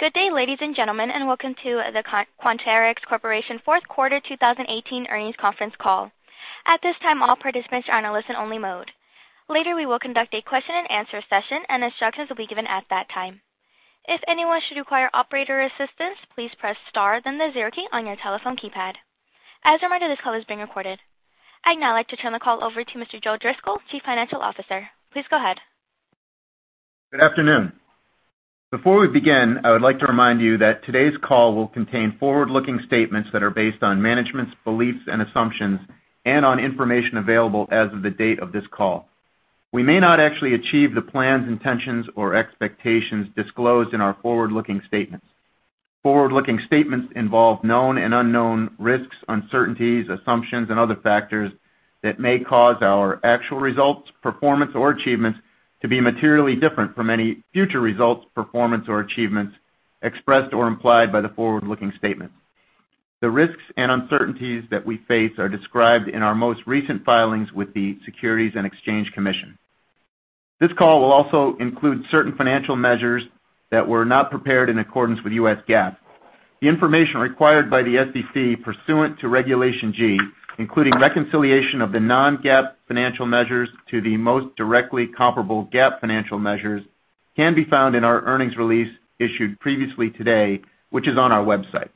Good day, ladies and gentlemen, welcome to the Quanterix Corporation Fourth Quarter 2018 Earnings Conference Call. At this time, all participants are in a listen-only mode. Later, we will conduct a question-and-answer session. Instructions will be given at that time. If anyone should require operator assistance, please press star then the zero key on your telephone keypad. As a reminder, this call is being recorded. I'd now like to turn the call over to Mr. Joseph Driscoll, Chief Financial Officer. Please go ahead. Good afternoon. Before we begin, I would like to remind you that today's call will contain forward-looking statements that are based on management's beliefs and assumptions. On information available as of the date of this call, we may not actually achieve the plans, intentions, or expectations disclosed in our forward-looking statements. Forward-looking statements involve known and unknown risks, uncertainties, assumptions, and other factors that may cause our actual results, performance, or achievements to be materially different from any future results, performance, or achievements expressed or implied by the forward-looking statements. The risks and uncertainties that we face are described in our most recent filings with the Securities and Exchange Commission. This call will also include certain financial measures that were not prepared in accordance with U.S. GAAP. The information required by the SEC pursuant to Regulation G, including reconciliation of the non-GAAP financial measures to the most directly comparable GAAP financial measures, can be found in our earnings release issued previously today, which is on our website.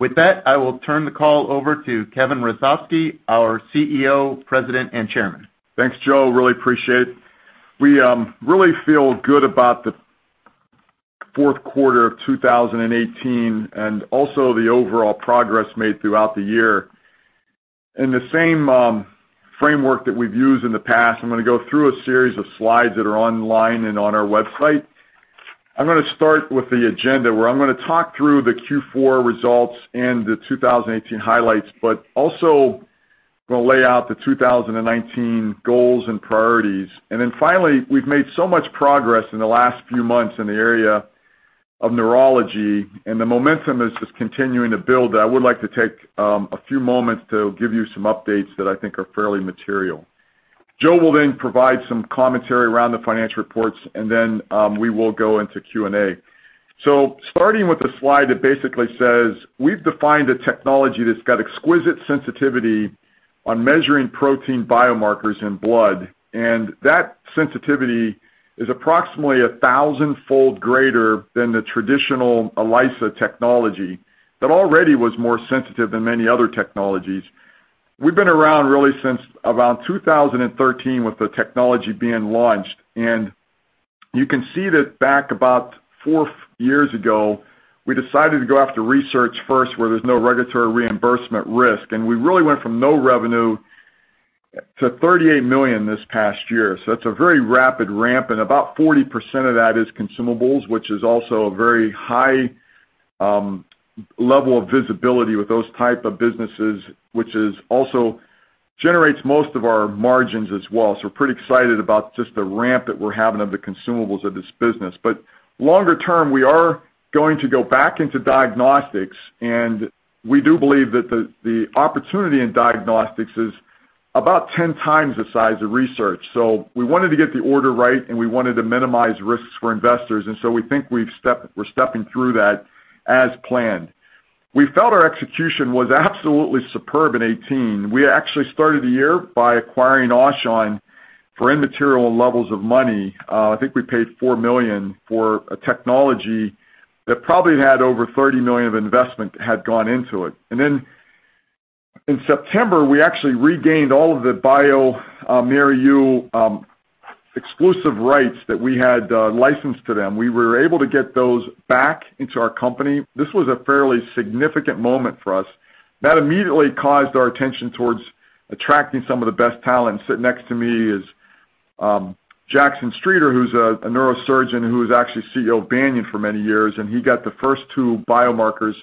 With that, I will turn the call over to Kevin Hrusovsky, our CEO, President, and Chairman. Thanks, Joe. Really appreciate it. We really feel good about the fourth quarter of 2018. Also the overall progress made throughout the year. In the same framework that we've used in the past, I'm going to go through a series of slides that are online. On our website, I'm going to start with the agenda, where I'm going to talk through the Q4 results and the 2018 highlights. Also going to lay out the 2019 goals and priorities. Finally, we've made so much progress in the last few months in the area of neurology. The momentum is just continuing to build, that I would like to take a few moments to give you some updates that I think are fairly material. Joe will then provide some commentary around the financial reports. Then we will go into Q&A. Starting with the slide that basically says, we've defined a technology that's got exquisite sensitivity on measuring protein biomarkers in blood, and that sensitivity is approximately 1,000-fold greater than the traditional ELISA technology that already was more sensitive than many other technologies. We've been around really since around 2013 with the technology being launched, and you can see that back about four years ago, we decided to go after research first where there's no regulatory reimbursement risk, and we really went from no revenue to $38 million this past year. That's a very rapid ramp, and about 40% of that is consumables, which is also a very high level of visibility with those type of businesses, which also generates most of our margins as well. We're pretty excited about just the ramp that we're having of the consumables of this business. Longer term, we are going to go back into diagnostics, and we do believe that the opportunity in diagnostics is about 10x the size of research. We wanted to get the order right, and we wanted to minimize risks for investors, we think we're stepping through that as planned. We felt our execution was absolutely superb in 2018. We actually started the year by acquiring Aushon for immaterial levels of money. I think I paid $4 million for a technology that probably had over $30 million of investment had gone into it. In September, we actually regained all of the bioMérieux exclusive rights that we had licensed to them. We were able to get those back into our company. This was a fairly significant moment for us. That immediately caused our attention towards attracting some of the best talent. Sitting next to me is Jackson Streeter, who's a neurosurgeon who was actually CEO of Banyan for many years, and he got the first two biomarkers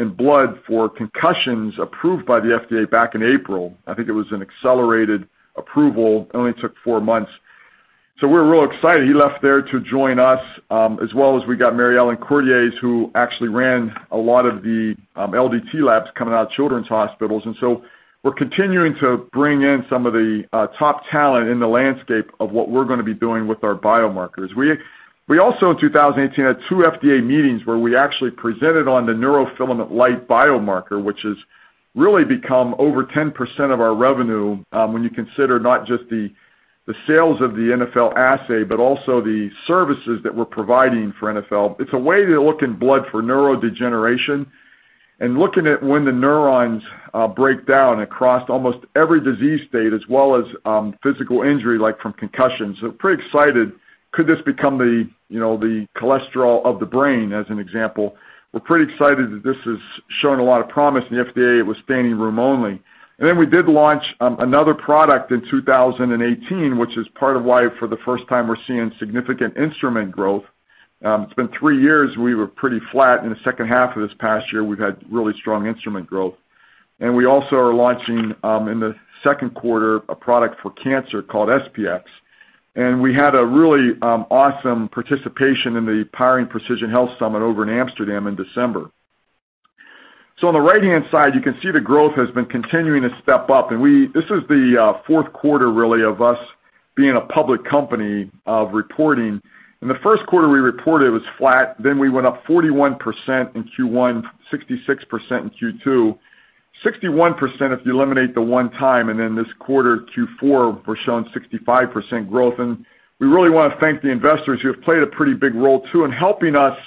in blood for concussions approved by the FDA back in April. I think it was an accelerated approval. It only took four months. We were real excited. He left there to join us, as well as we got Mary Ellen Courtois, who actually ran a lot of the LDT labs coming out of children's hospitals. We're continuing to bring in some of the top talent in the landscape of what we're going to be doing with our biomarkers. We also, in 2018, had two FDA meetings where we actually presented on the neurofilament light biomarker, which has really become over 10% of our revenue when you consider not just the sales of the NfL assay, but also the services that we're providing for NfL. It's a way to look in blood for neurodegeneration and looking at when the neurons break down across almost every disease state, as well as physical injury, like from concussions. Pretty excited. Could this become the cholesterol of the brain, as an example? We're pretty excited that this is showing a lot of promise in the FDA. It was standing room only. We did launch another product in 2018, which is part of why for the first time we're seeing significant instrument growth. It's been three years we were pretty flat. In the second half of this past year, we've had really strong instrument growth. We also are launching, in the second quarter, a product for cancer called SP-X. We had a really awesome participation in the Powering Precision Health Summit over in Amsterdam in December. On the right-hand side, you can see the growth has been continuing to step up. This is the fourth quarter, really, of us being a public company, of reporting. In the first quarter, we reported it was flat, then we went up 41% in Q1, 66% in Q2, 61% if you eliminate the one time, then this quarter, Q4, we're showing 65% growth. We really want to thank the investors who have played a pretty big role too in helping us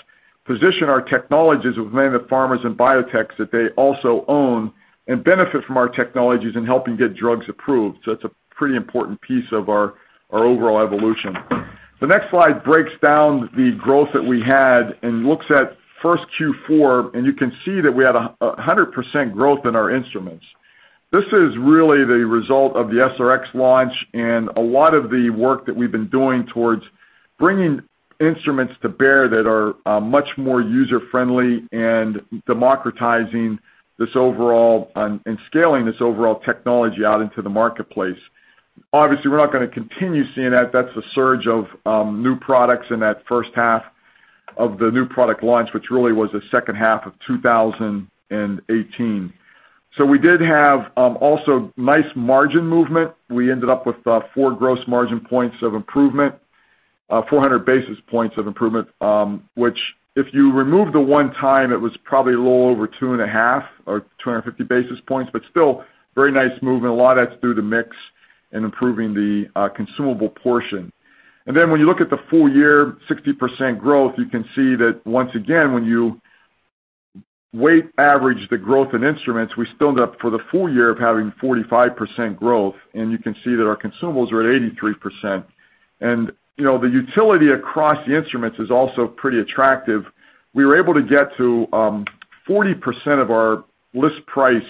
position our technologies with many of the pharmas and biotechs that they also own and benefit from our technologies in helping get drugs approved. It's a pretty important piece of our overall evolution. The next slide breaks down the growth that we had and looks at first Q4, you can see that we had 100% growth in our instruments. This is really the result of the SR-X launch and a lot of the work that we've been doing towards bringing instruments to bear that are much more user-friendly and democratizing and scaling this overall technology out into the marketplace. Obviously, we're not going to continue seeing that. That's the surge of new products in that first half of the new product launch, which really was the second half of 2018. We did have also nice margin movement. We ended up with four gross margin points of improvement, 400 basis points of improvement, which, if you remove the one time, it was probably a little over 2.5 or 250 basis points, but still very nice movement. A lot of that's through the mix and improving the consumable portion. When you look at the full year, 60% growth, you can see that once again, when you weight average the growth in instruments, we still end up for the full year of having 45% growth, you can see that our consumables are at 83%. The utility across the instruments is also pretty attractive. We were able to get to 40% of our list price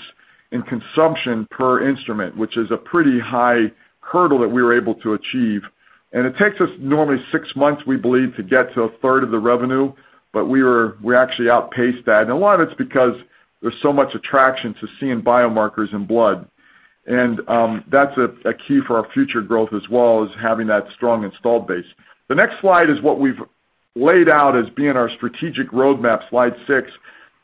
in consumption per instrument, which is a pretty high hurdle that we were able to achieve. It takes us normally six months, we believe, to get to 1/3 of the revenue, but we actually outpaced that. A lot of it's because there's so much attraction to seeing biomarkers in blood. That's a key for our future growth, as well as having that strong installed base. The next slide is what we've laid out as being our strategic roadmap, slide six,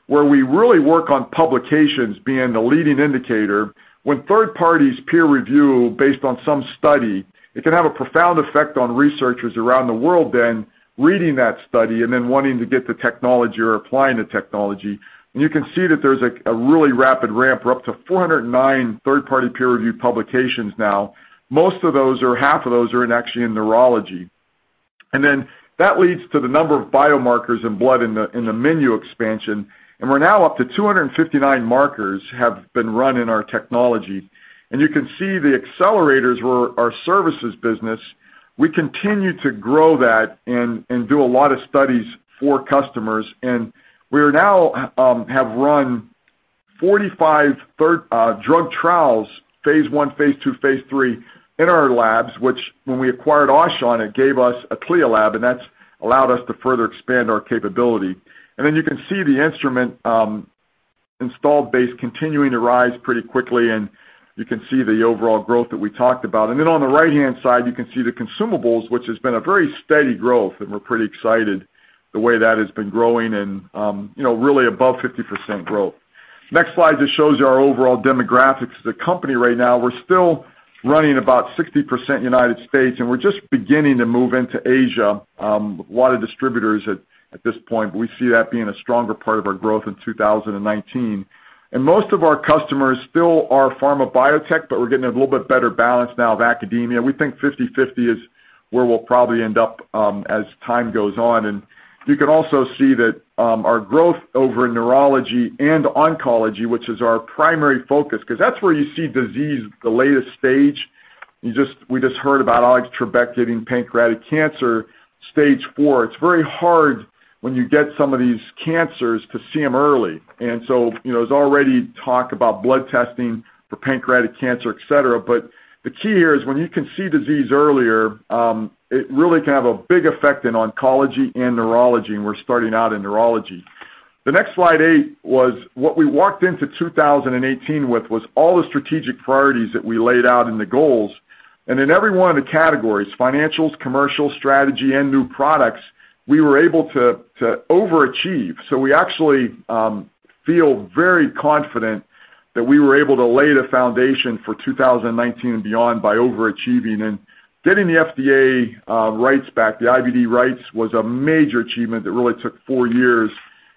where we really work on publications being the leading indicator. When third parties peer review based on some study, it can have a profound effect on researchers around the world, then, reading that study and then wanting to get the technology or applying the technology. You can see that there's a really rapid ramp. We're up to 409 third-party peer-reviewed publications now. Most of those, or 1/2 of those, are actually in neurology. That leads to the number of biomarkers in blood in the menu expansion, and we're now up to 259 markers have been run in our technology. You can see the accelerators were our services business. We continue to grow that and do a lot of studies for customers. We now have run 45 drug trials, phase I, phase II, phase III, in our labs, which when we acquired Aushon, it gave us a CLIA lab, and that's allowed us to further expand our capability. You can see the instrument installed base continuing to rise pretty quickly, and you can see the overall growth that we talked about. On the right-hand side, you can see the consumables, which has been a very steady growth, and we're pretty excited the way that has been growing and really above 50% growth. Next slide just shows our overall demographics of the company right now. We're still running about 60% U.S., and we're just beginning to move into Asia. A lot of distributors at this point, but we see that being a stronger part of our growth in 2019. Most of our customers still are pharma biotech, but we're getting a little bit better balance now of academia. We think 50/50 is where we'll probably end up as time goes on. You can also see that our growth over in neurology and oncology, which is our primary focus, because that's where you see disease at the latest stage. We just heard about Alex Trebek getting pancreatic cancer, stage 4. It's very hard when you get some of these cancers to see them early. There's already talk about blood testing for pancreatic cancer, et cetera. The key here is when you can see disease earlier, it really can have a big effect in oncology and neurology, and we're starting out in neurology. The next, slide eight, was what we walked into 2018 with was all the strategic priorities that we laid out and the goals. In every one of the categories, financials, commercial, strategy, and new products, we were able to overachieve. We actually feel very confident that we were able to lay the foundation for 2019 and beyond by overachieving. Getting the FDA rights back, the IVD rights, was a major achievement that really took four years,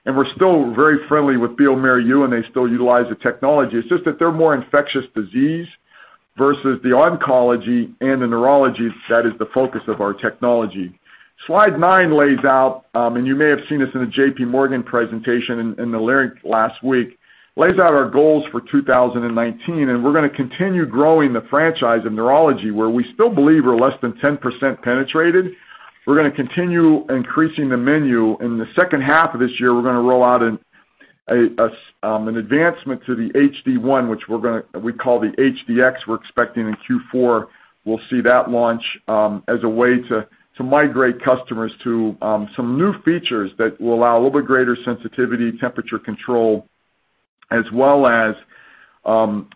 and we're still very friendly with bioMérieux, and they still utilize the technology. It's just that they're more infectious disease versus the oncology and the neurology that is the focus of our technology. Slide nine lays out, and you may have seen this in the JPMorgan presentation in the lyric last week, lays out our goals for 2019. We're going to continue growing the franchise of neurology, where we still believe we're less than 10% penetrated. We're going to continue increasing the menu. In the second half of this year, we're going to roll out an advancement to the HD-1, which we call the HD-X. We're expecting in Q4, we'll see that launch as a way to migrate customers to some new features that will allow a little bit greater sensitivity, temperature control, as well as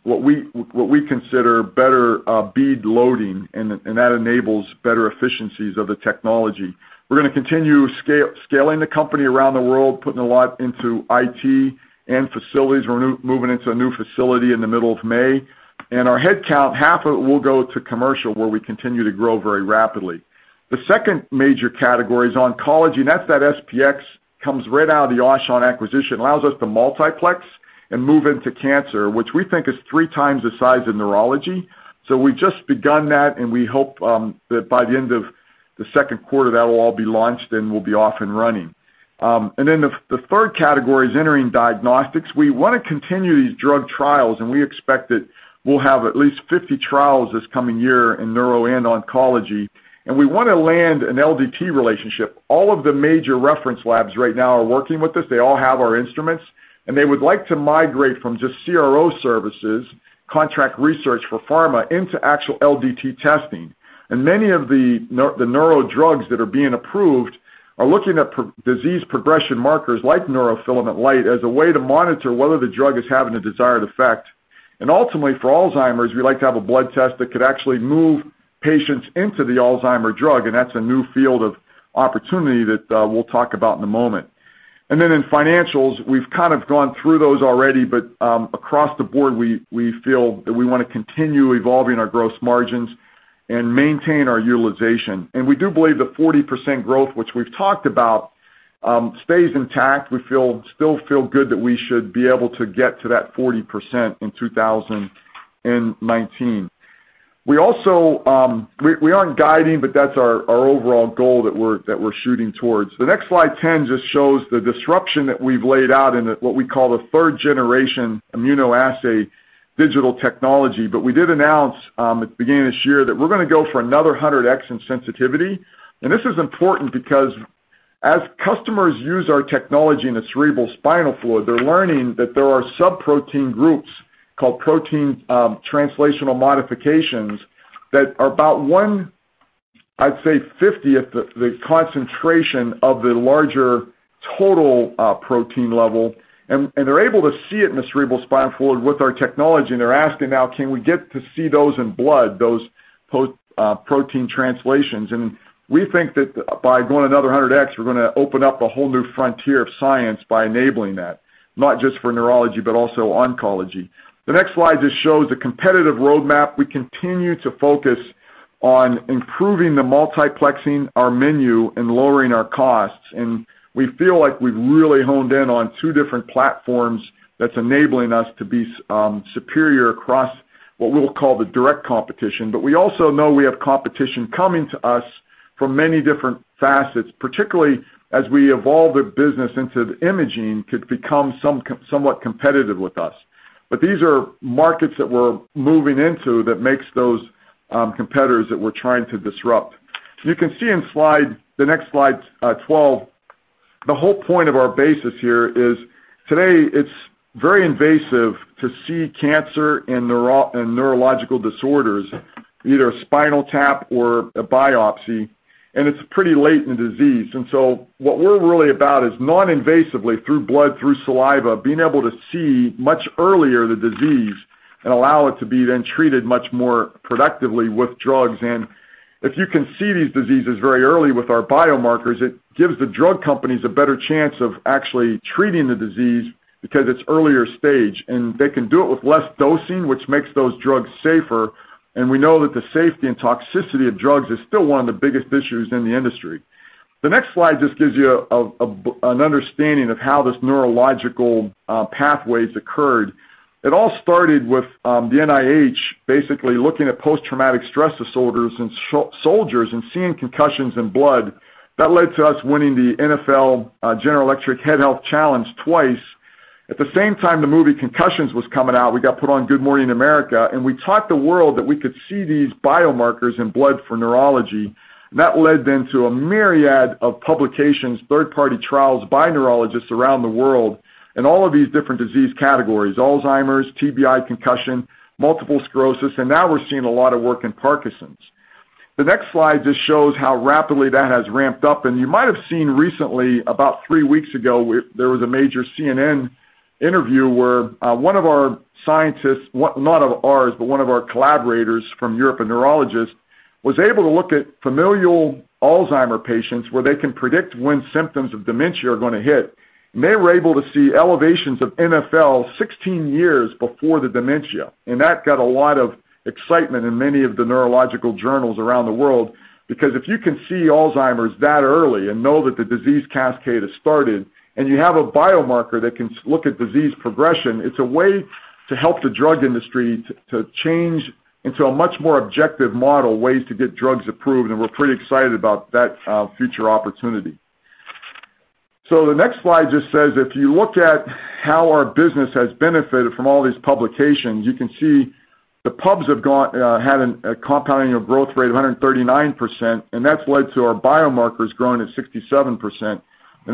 what we consider better bead loading, and that enables better efficiencies of the technology. We're going to continue scaling the company around the world, putting a lot into IT and facilities. We're moving into a new facility in the middle of May. Our headcount, 1/2 of it will go to commercial, where we continue to grow very rapidly. The second major category is oncology, and that's that SP-X comes right out of the Aushon acquisition. Allows us to multiplex and move into cancer, which we think is 3x the size of neurology. We've just begun that, and we hope that by the end of the second quarter, that'll all be launched, and we'll be off and running. The third category is entering diagnostics. We want to continue these drug trials, and we expect that we'll have at least 50 trials this coming year in neuro and oncology. We want to land an LDT relationship. All of the major reference labs right now are working with us. They all have our instruments, and they would like to migrate from just CRO services, contract research for pharma, into actual LDT testing. Many of the neuro drugs that are being approved are looking at disease progression markers like neurofilament light as a way to monitor whether the drug is having the desired effect. Ultimately, for Alzheimer's, we'd like to have a blood test that could actually move patients into the Alzheimer drug, and that's a new field of opportunity that we'll talk about in a moment. In financials, we've kind of gone through those already, but across the board, we feel that we want to continue evolving our gross margins and maintain our utilization. We do believe the 40% growth, which we've talked about, stays intact. We still feel good that we should be able to get to that 40% in 2019. We aren't guiding, but that's our overall goal that we're shooting towards. The next slide, 10, just shows the disruption that we've laid out in what we call the third generation immunoassay digital technology. We did announce at the beginning of this year that we're going to go for another 100X in sensitivity. This is important because as customers use our technology in the cerebral spinal fluid, they're learning that there are sub-protein groups called protein translational modifications that are about one, I'd say, 50th the concentration of the larger total protein level. They're able to see it in the cerebral spinal fluid with our technology, and they're asking now, "Can we get to see those in blood, those protein translations?" We think that by going another 100X, we're going to open up a whole new frontier of science by enabling that, not just for neurology, but also oncology. The next slide just shows the competitive roadmap. We continue to focus on improving the multiplexing our menu and lowering our costs. We feel like we've really honed in on two different platforms that's enabling us to be superior across what we'll call the direct competition. We also know we have competition coming to us from many different facets, particularly as we evolve the business into the imaging could become somewhat competitive with us. These are markets that we're moving into that makes those competitors that we're trying to disrupt. You can see in the next slide 12, the whole point of our basis here is today, it's very invasive to see cancer and neurological disorders, either a spinal tap or a biopsy, and it's pretty late in the disease. What we're really about is non-invasively, through blood, through saliva, being able to see much earlier the disease and allow it to be then treated much more productively with drugs. If you can see these diseases very early with our biomarkers, it gives the drug companies a better chance of actually treating the disease because it's earlier stage, and they can do it with less dosing, which makes those drugs safer. We know that the safety and toxicity of drugs is still one of the biggest issues in the industry. The next slide just gives you an understanding of how this neurological pathways occurred. It all started with the NIH basically looking at post-traumatic stress disorders in soldiers and seeing concussions in blood. That led to us winning the National Football League General Electric Head Health Challenge twice. At the same time the movie "Concussion" was coming out, we got put on "Good Morning America," and we taught the world that we could see these biomarkers in blood for neurology. That led then to a myriad of publications, third-party trials by neurologists around the world, and all of these different disease categories, Alzheimer's, TBI, concussion, multiple sclerosis, and now we're seeing a lot of work in Parkinson's. The next slide just shows how rapidly that has ramped up. You might have seen recently, about three weeks ago, there was a major CNN interview where one of our scientists, not of ours, but one of our collaborators from Europe, a neurologist, was able to look at familial Alzheimer's patients where they can predict when symptoms of dementia are going to hit. They were able to see elevations of NfL 16 years before the dementia. That got a lot of excitement in many of the neurological journals around the world, because if you can see Alzheimer's that early and know that the disease cascade has started, and you have a biomarker that can look at disease progression, it's a way to help the drug industry to change into a much more objective model, ways to get drugs approved, and we're pretty excited about that future opportunity. The next slide just says, if you look at how our business has benefited from all these publications, you can see the pubs have had a compounding of growth rate of 139%. That's led to our biomarkers growing at 67%,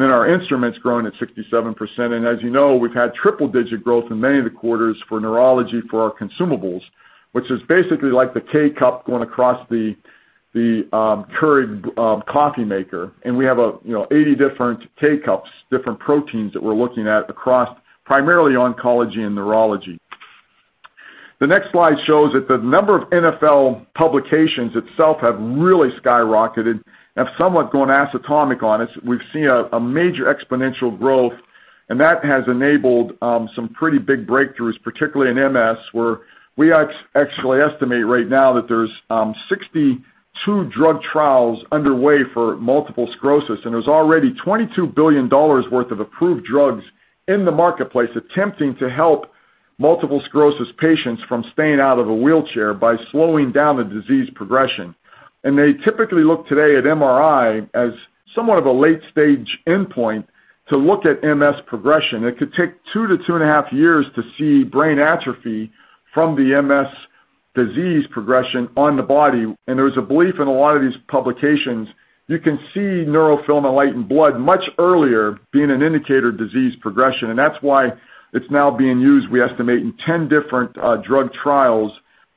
our instruments growing at 67%. As you know, we've had triple-digit growth in many of the quarters for neurology for our consumables, which is basically like the K-Cup going across the Keurig coffee maker, and we have 80 different K-Cups, different proteins that we're looking at across primarily oncology and neurology. The next slide shows that the number of NfL publications itself have really skyrocketed and have somewhat gone atomic on us. We've seen a major exponential growth, and that has enabled some pretty big breakthroughs, particularly in MS, where we actually estimate right now that there's 62 drug trials underway for multiple sclerosis, and there's already $22 billion worth of approved drugs in the marketplace attempting to help multiple sclerosis patients from staying out of a wheelchair by slowing down the disease progression. They typically look today at MRI as somewhat of a late-stage endpoint to look at MS progression. It could take 2-2.5 years to see brain atrophy from the MS disease progression on the body. There's a belief in a lot of these publications, you can see neurofilament light in blood much earlier, being an indicator of disease progression. That's why it's now being used, we estimate, in 10 different drug trials,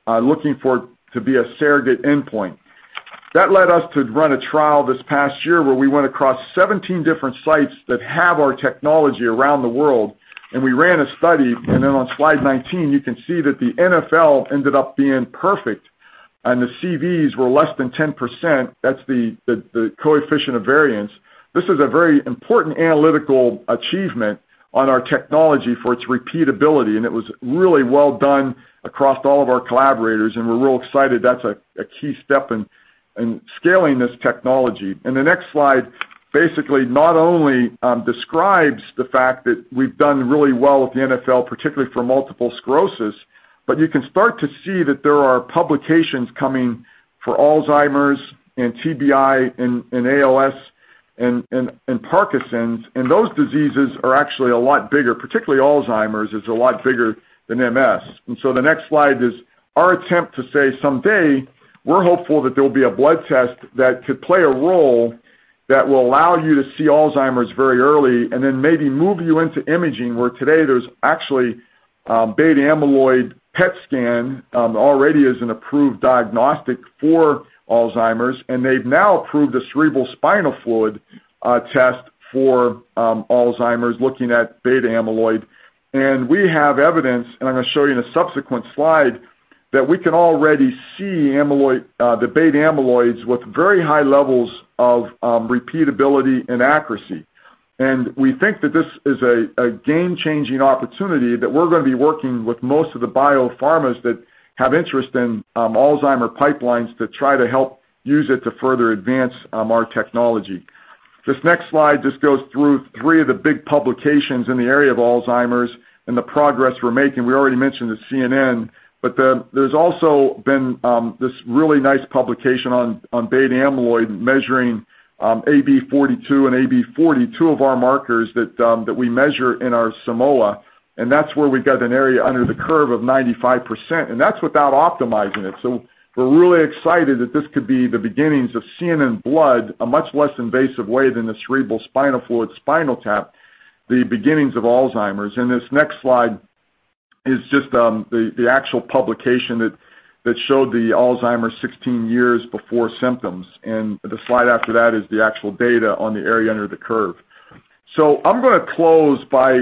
looking for it to be a surrogate endpoint. That led us to run a trial this past year where we went across 17 different sites that have our technology around the world, and we ran a study. On slide 19, you can see that the NfL ended up being perfect and the CVs were less than 10%. That's the coefficient of variation. This is a very important analytical achievement on our technology for its repeatability, it was really well done across all of our collaborators, and we're real excited. That's a key step in scaling this technology. The next slide basically not only describes the fact that we've done really well with the NfL, particularly for multiple sclerosis, but you can start to see that there are publications coming for Alzheimer's and TBI and ALS and Parkinson's. Those diseases are actually a lot bigger. Particularly Alzheimer's is a lot bigger than MS. The next slide is our attempt to say someday we're hopeful that there will be a blood test that could play a role that will allow you to see Alzheimer's very early and then maybe move you into imaging, where today there's actually beta-amyloid PET scan already as an approved diagnostic for Alzheimer's, and they've now approved a cerebral spinal fluid test for Alzheimer's, looking at beta-amyloid. We have evidence, and I'm going to show you in a subsequent slide, that we can already see the beta-amyloids with very high levels of repeatability and accuracy. We think that this is a game-changing opportunity that we're going to be working with most of the biopharmas that have interest in Alzheimer pipelines to try to help use it to further advance our technology. This next slide just goes through three of the big publications in the area of Alzheimer's and the progress we're making. We already mentioned the CNN, but there's also been this really nice publication on beta-amyloid measuring AB42 and AB40, two of our markers that we measure in our Simoa, and that's where we've got an area under the curve of 95%, and that's without optimizing it. We're really excited that this could be the beginnings of seeing in blood a much less invasive way than the cerebral spinal fluid spinal tap, the beginnings of Alzheimer's. This next slide is just the actual publication that showed the Alzheimer's 16 years before symptoms. The slide after that is the actual data on the area under the curve. I'm going to close by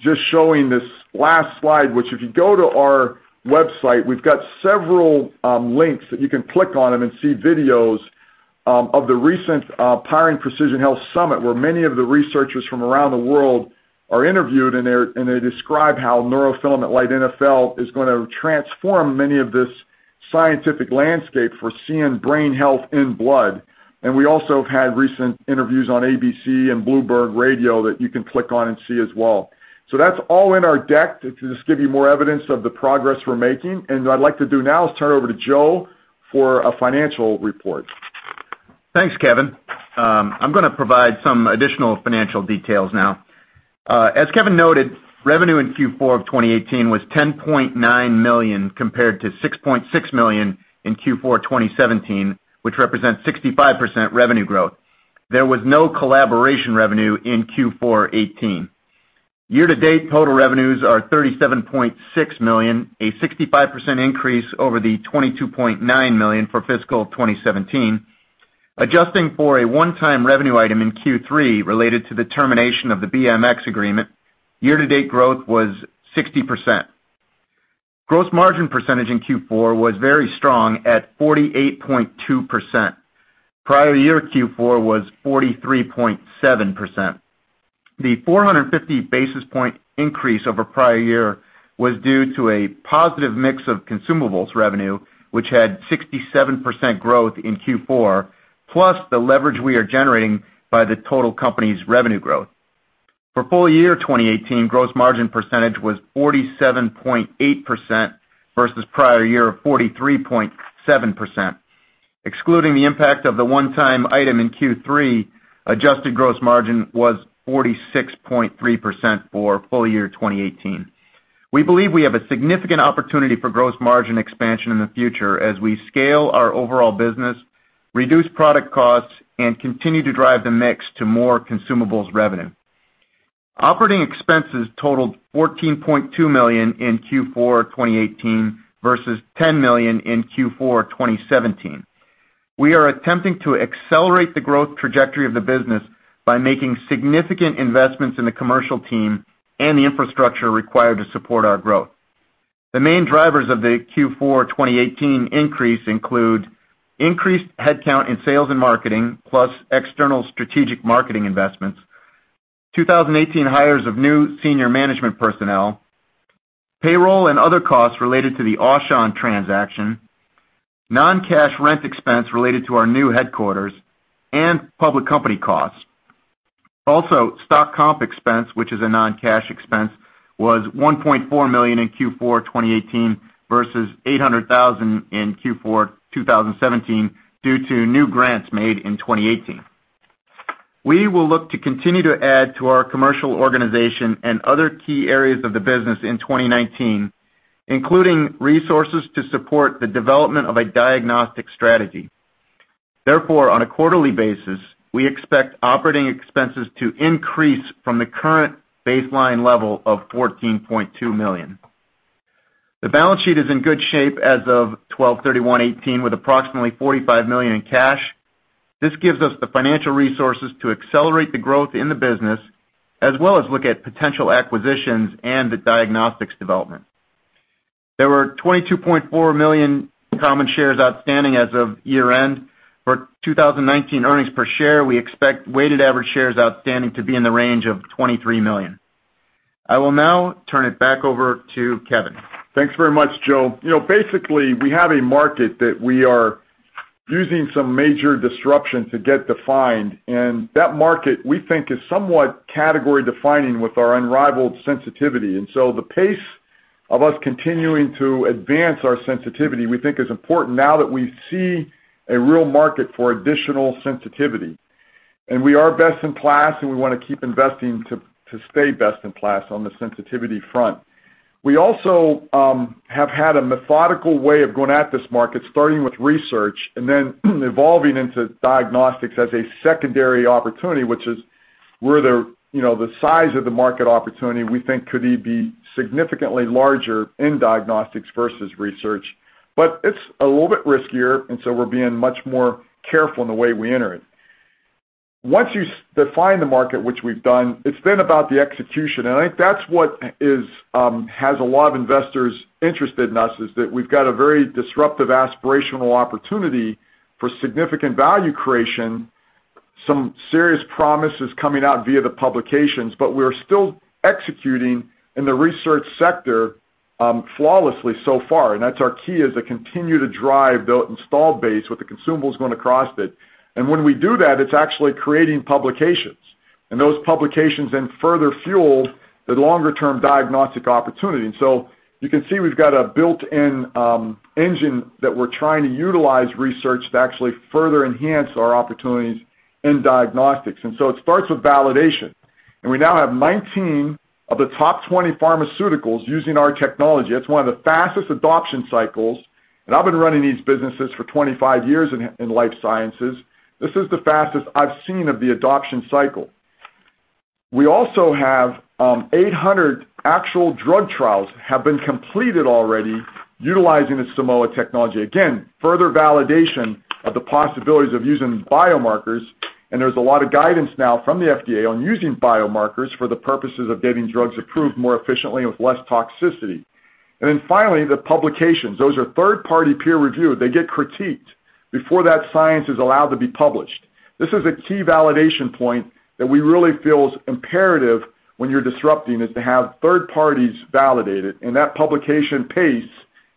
just showing this last slide, which if you go to our website, we've got several links that you can click on them and see videos of the recent Powering Precision Health Summit, where many of the researchers from around the world are interviewed and they describe how neurofilament light NfL is going to transform many of this scientific landscape for seeing brain health in blood. We also have had recent interviews on ABC and Bloomberg Radio that you can click on and see as well. That's all in our deck to just give you more evidence of the progress we're making. What I'd like to do now is turn it over to Joe for a financial report. Thanks, Kevin. I'm going to provide some additional financial details now. As Kevin noted, revenue in Q4 2018 was $10.9 million, compared to $6.6 million in Q4 2017, which represents 65% revenue growth. There was no collaboration revenue in Q4 2018. Year-to-date, total revenues are $37.6 million, a 65% increase over the $22.9 million for fiscal 2017. Adjusting for a one-time revenue item in Q3 related to the termination of the bioMérieux agreement, year-to-date growth was 60%. Gross margin percentage in Q4 was very strong at 48.2%. Prior year Q4 was 43.7%. The 450 basis point increase over prior year was due to a positive mix of consumables revenue, which had 67% growth in Q4, plus the leverage we are generating by the total company's revenue growth. For full year 2018, gross margin percentage was 47.8% versus prior year of 43.7%. Excluding the impact of the one-time item in Q3, adjusted gross margin was 46.3% for full year 2018. We believe we have a significant opportunity for gross margin expansion in the future as we scale our overall business, reduce product costs, and continue to drive the mix to more consumables revenue. Operating expenses totaled $14.2 million in Q4 2018 versus $10 million in Q4 2017. We are attempting to accelerate the growth trajectory of the business by making significant investments in the commercial team and the infrastructure required to support our growth. The main drivers of the Q4 2018 increase include increased headcount in sales and marketing, plus external strategic marketing investments, 2018 hires of new senior management personnel, payroll and other costs related to the Aushon transaction, non-cash rent expense related to our new headquarters, and public company costs. Also, stock comp expense, which is a non-cash expense, was $1.4 million in Q4 2018 versus $800,000 in Q4 2017 due to new grants made in 2018. We will look to continue to add to our commercial organization and other key areas of the business in 2019, including resources to support the development of a diagnostic strategy. Therefore, on a quarterly basis, we expect operating expenses to increase from the current baseline level of $14.2 million. The balance sheet is in good shape as of 12/31/2018, with approximately $45 million in cash. This gives us the financial resources to accelerate the growth in the business, as well as look at potential acquisitions and the diagnostics development. There were 22.4 million common shares outstanding as of year-end. For 2019 earnings per share, we expect weighted average shares outstanding to be in the range of 23 million. I will now turn it back over to Kevin. Thanks very much, Joe. Basically, we have a market that we are using some major disruption to get defined, and that market, we think, is somewhat category-defining with our unrivaled sensitivity. The pace of us continuing to advance our sensitivity, we think, is important now that we see a real market for additional sensitivity. We are best in class, and we want to keep investing to stay best in class on the sensitivity front. We also have had a methodical way of going at this market, starting with research and then evolving into diagnostics as a secondary opportunity, which is where the size of the market opportunity, we think, could be significantly larger in diagnostics versus research. It's a little bit riskier, and so we're being much more careful in the way we enter it. Once you define the market, which we've done, it's been about the execution. I think that's what has a lot of investors interested in us, is that we've got a very disruptive, aspirational opportunity for significant value creation, some serious promises coming out via the publications. We're still executing in the research sector flawlessly so far. That's our key, is to continue to drive the installed base with the consumables going across it. When we do that, it's actually creating publications. Those publications then further fuel the longer-term diagnostic opportunity. You can see we've got a built-in engine that we're trying to utilize research to actually further enhance our opportunities in diagnostics. It starts with validation. We now have 19 of the top 20 pharmaceuticals using our technology. It's one of the fastest adoption cycles. I've been running these businesses for 25 years in life sciences. This is the fastest I've seen of the adoption cycle. We also have 800 actual drug trials have been completed already utilizing the Simoa technology. Again, further validation of the possibilities of using biomarkers. There's a lot of guidance now from the FDA on using biomarkers for the purposes of getting drugs approved more efficiently with less toxicity. Finally, the publications. Those are third-party peer-reviewed. They get critiqued before that science is allowed to be published. This is a key validation point that we really feel is imperative when you're disrupting, is to have third parties validate it, and that publication pace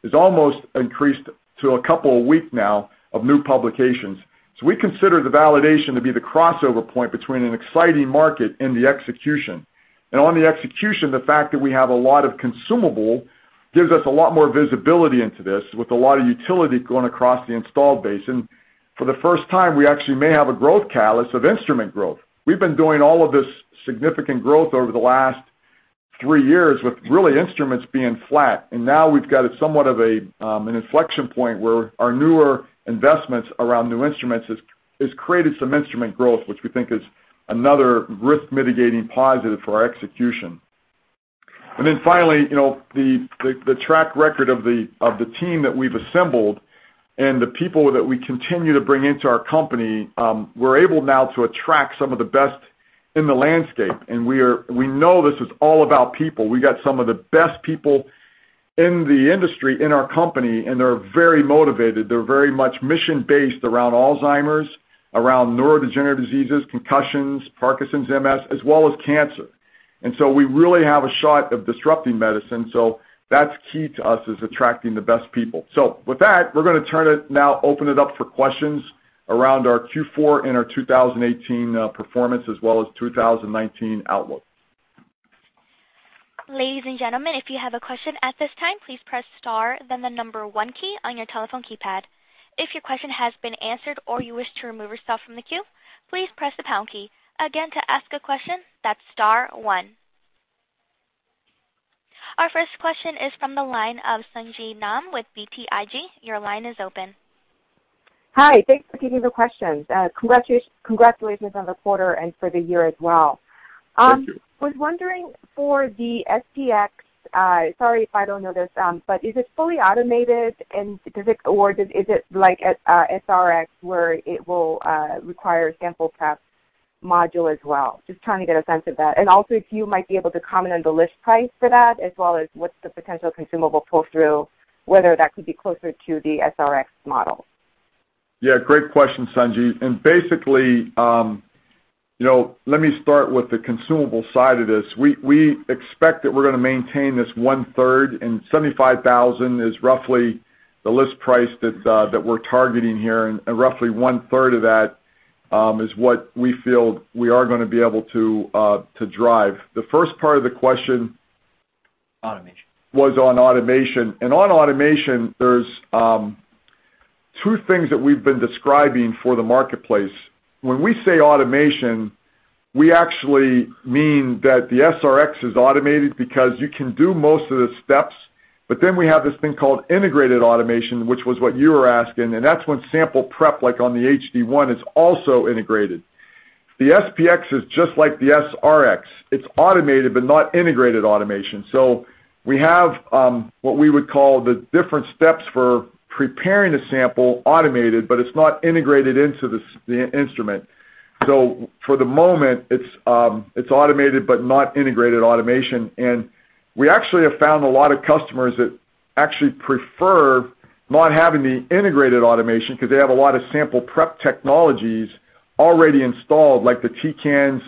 has almost increased to a couple a week now of new publications. We consider the validation to be the crossover point between an exciting market and the execution. On the execution, the fact that we have a lot of consumable gives us a lot more visibility into this, with a lot of utility going across the installed base. For the first time, we actually may have a growth catalyst of instrument growth. We've been doing all of this significant growth over the last three years with really instruments being flat. Now we've got somewhat of an inflection point where our newer investments around new instruments has created some instrument growth, which we think is another risk-mitigating positive for our execution. Finally, the track record of the team that we've assembled and the people that we continue to bring into our company, we're able now to attract some of the best in the landscape. We know this is all about people. We got some of the best people in the industry in our company. They're very motivated. They're very much mission-based around Alzheimer's, around neurodegenerative diseases, concussions, Parkinson's, MS, as well as cancer. We really have a shot of disrupting medicine. That's key to us, is attracting the best people. With that, we're going to turn it now, open it up for questions around our Q4 and our 2018 performance, as well as 2019 outlook. Ladies and gentlemen, if you have a question at this time, please press star then the number one key on your telephone keypad. If your question has been answered or you wish to remove yourself from the queue, please press the pound key. Again, to ask a question, that's star one. Our first question is from the line of Sung Ji Nam with BTIG. Your line is open. Hi. Thanks for taking the questions. Congratulations on the quarter and for the year as well. Thank you. Was wondering for the SP-X, sorry if I don't know this, but is it fully automated or is it like SR-X where it will require sample prep module as well? Just trying to get a sense of that. Also if you might be able to comment on the list price for that as well as what's the potential consumable pull-through, whether that could be closer to the SR-X model. Yeah, great question, Sung Ji. Basically, let me start with the consumable side of this. We expect that we're going to maintain this 1/3, and $75,000 is roughly the list price that we're targeting here, and roughly 1/3 of that is what we feel we are going to be able to drive. The first part of the question- Automation. Was on automation. On automation, there's two things that we've been describing for the marketplace. When we say automation, we actually mean that the SR-X is automated because you can do most of the steps, but then we have this thing called integrated automation, which was what you were asking, and that's when sample prep, like on the HD-1, is also integrated. The SP-X is just like the SR-X. It's automated, but not integrated automation. We have what we would call the different steps for preparing a sample automated, but it's not integrated into the instrument. For the moment, it's automated, but not integrated automation, and we actually have found a lot of customers that actually prefer not having the integrated automation because they have a lot of sample prep technologies already installed, like the Tecan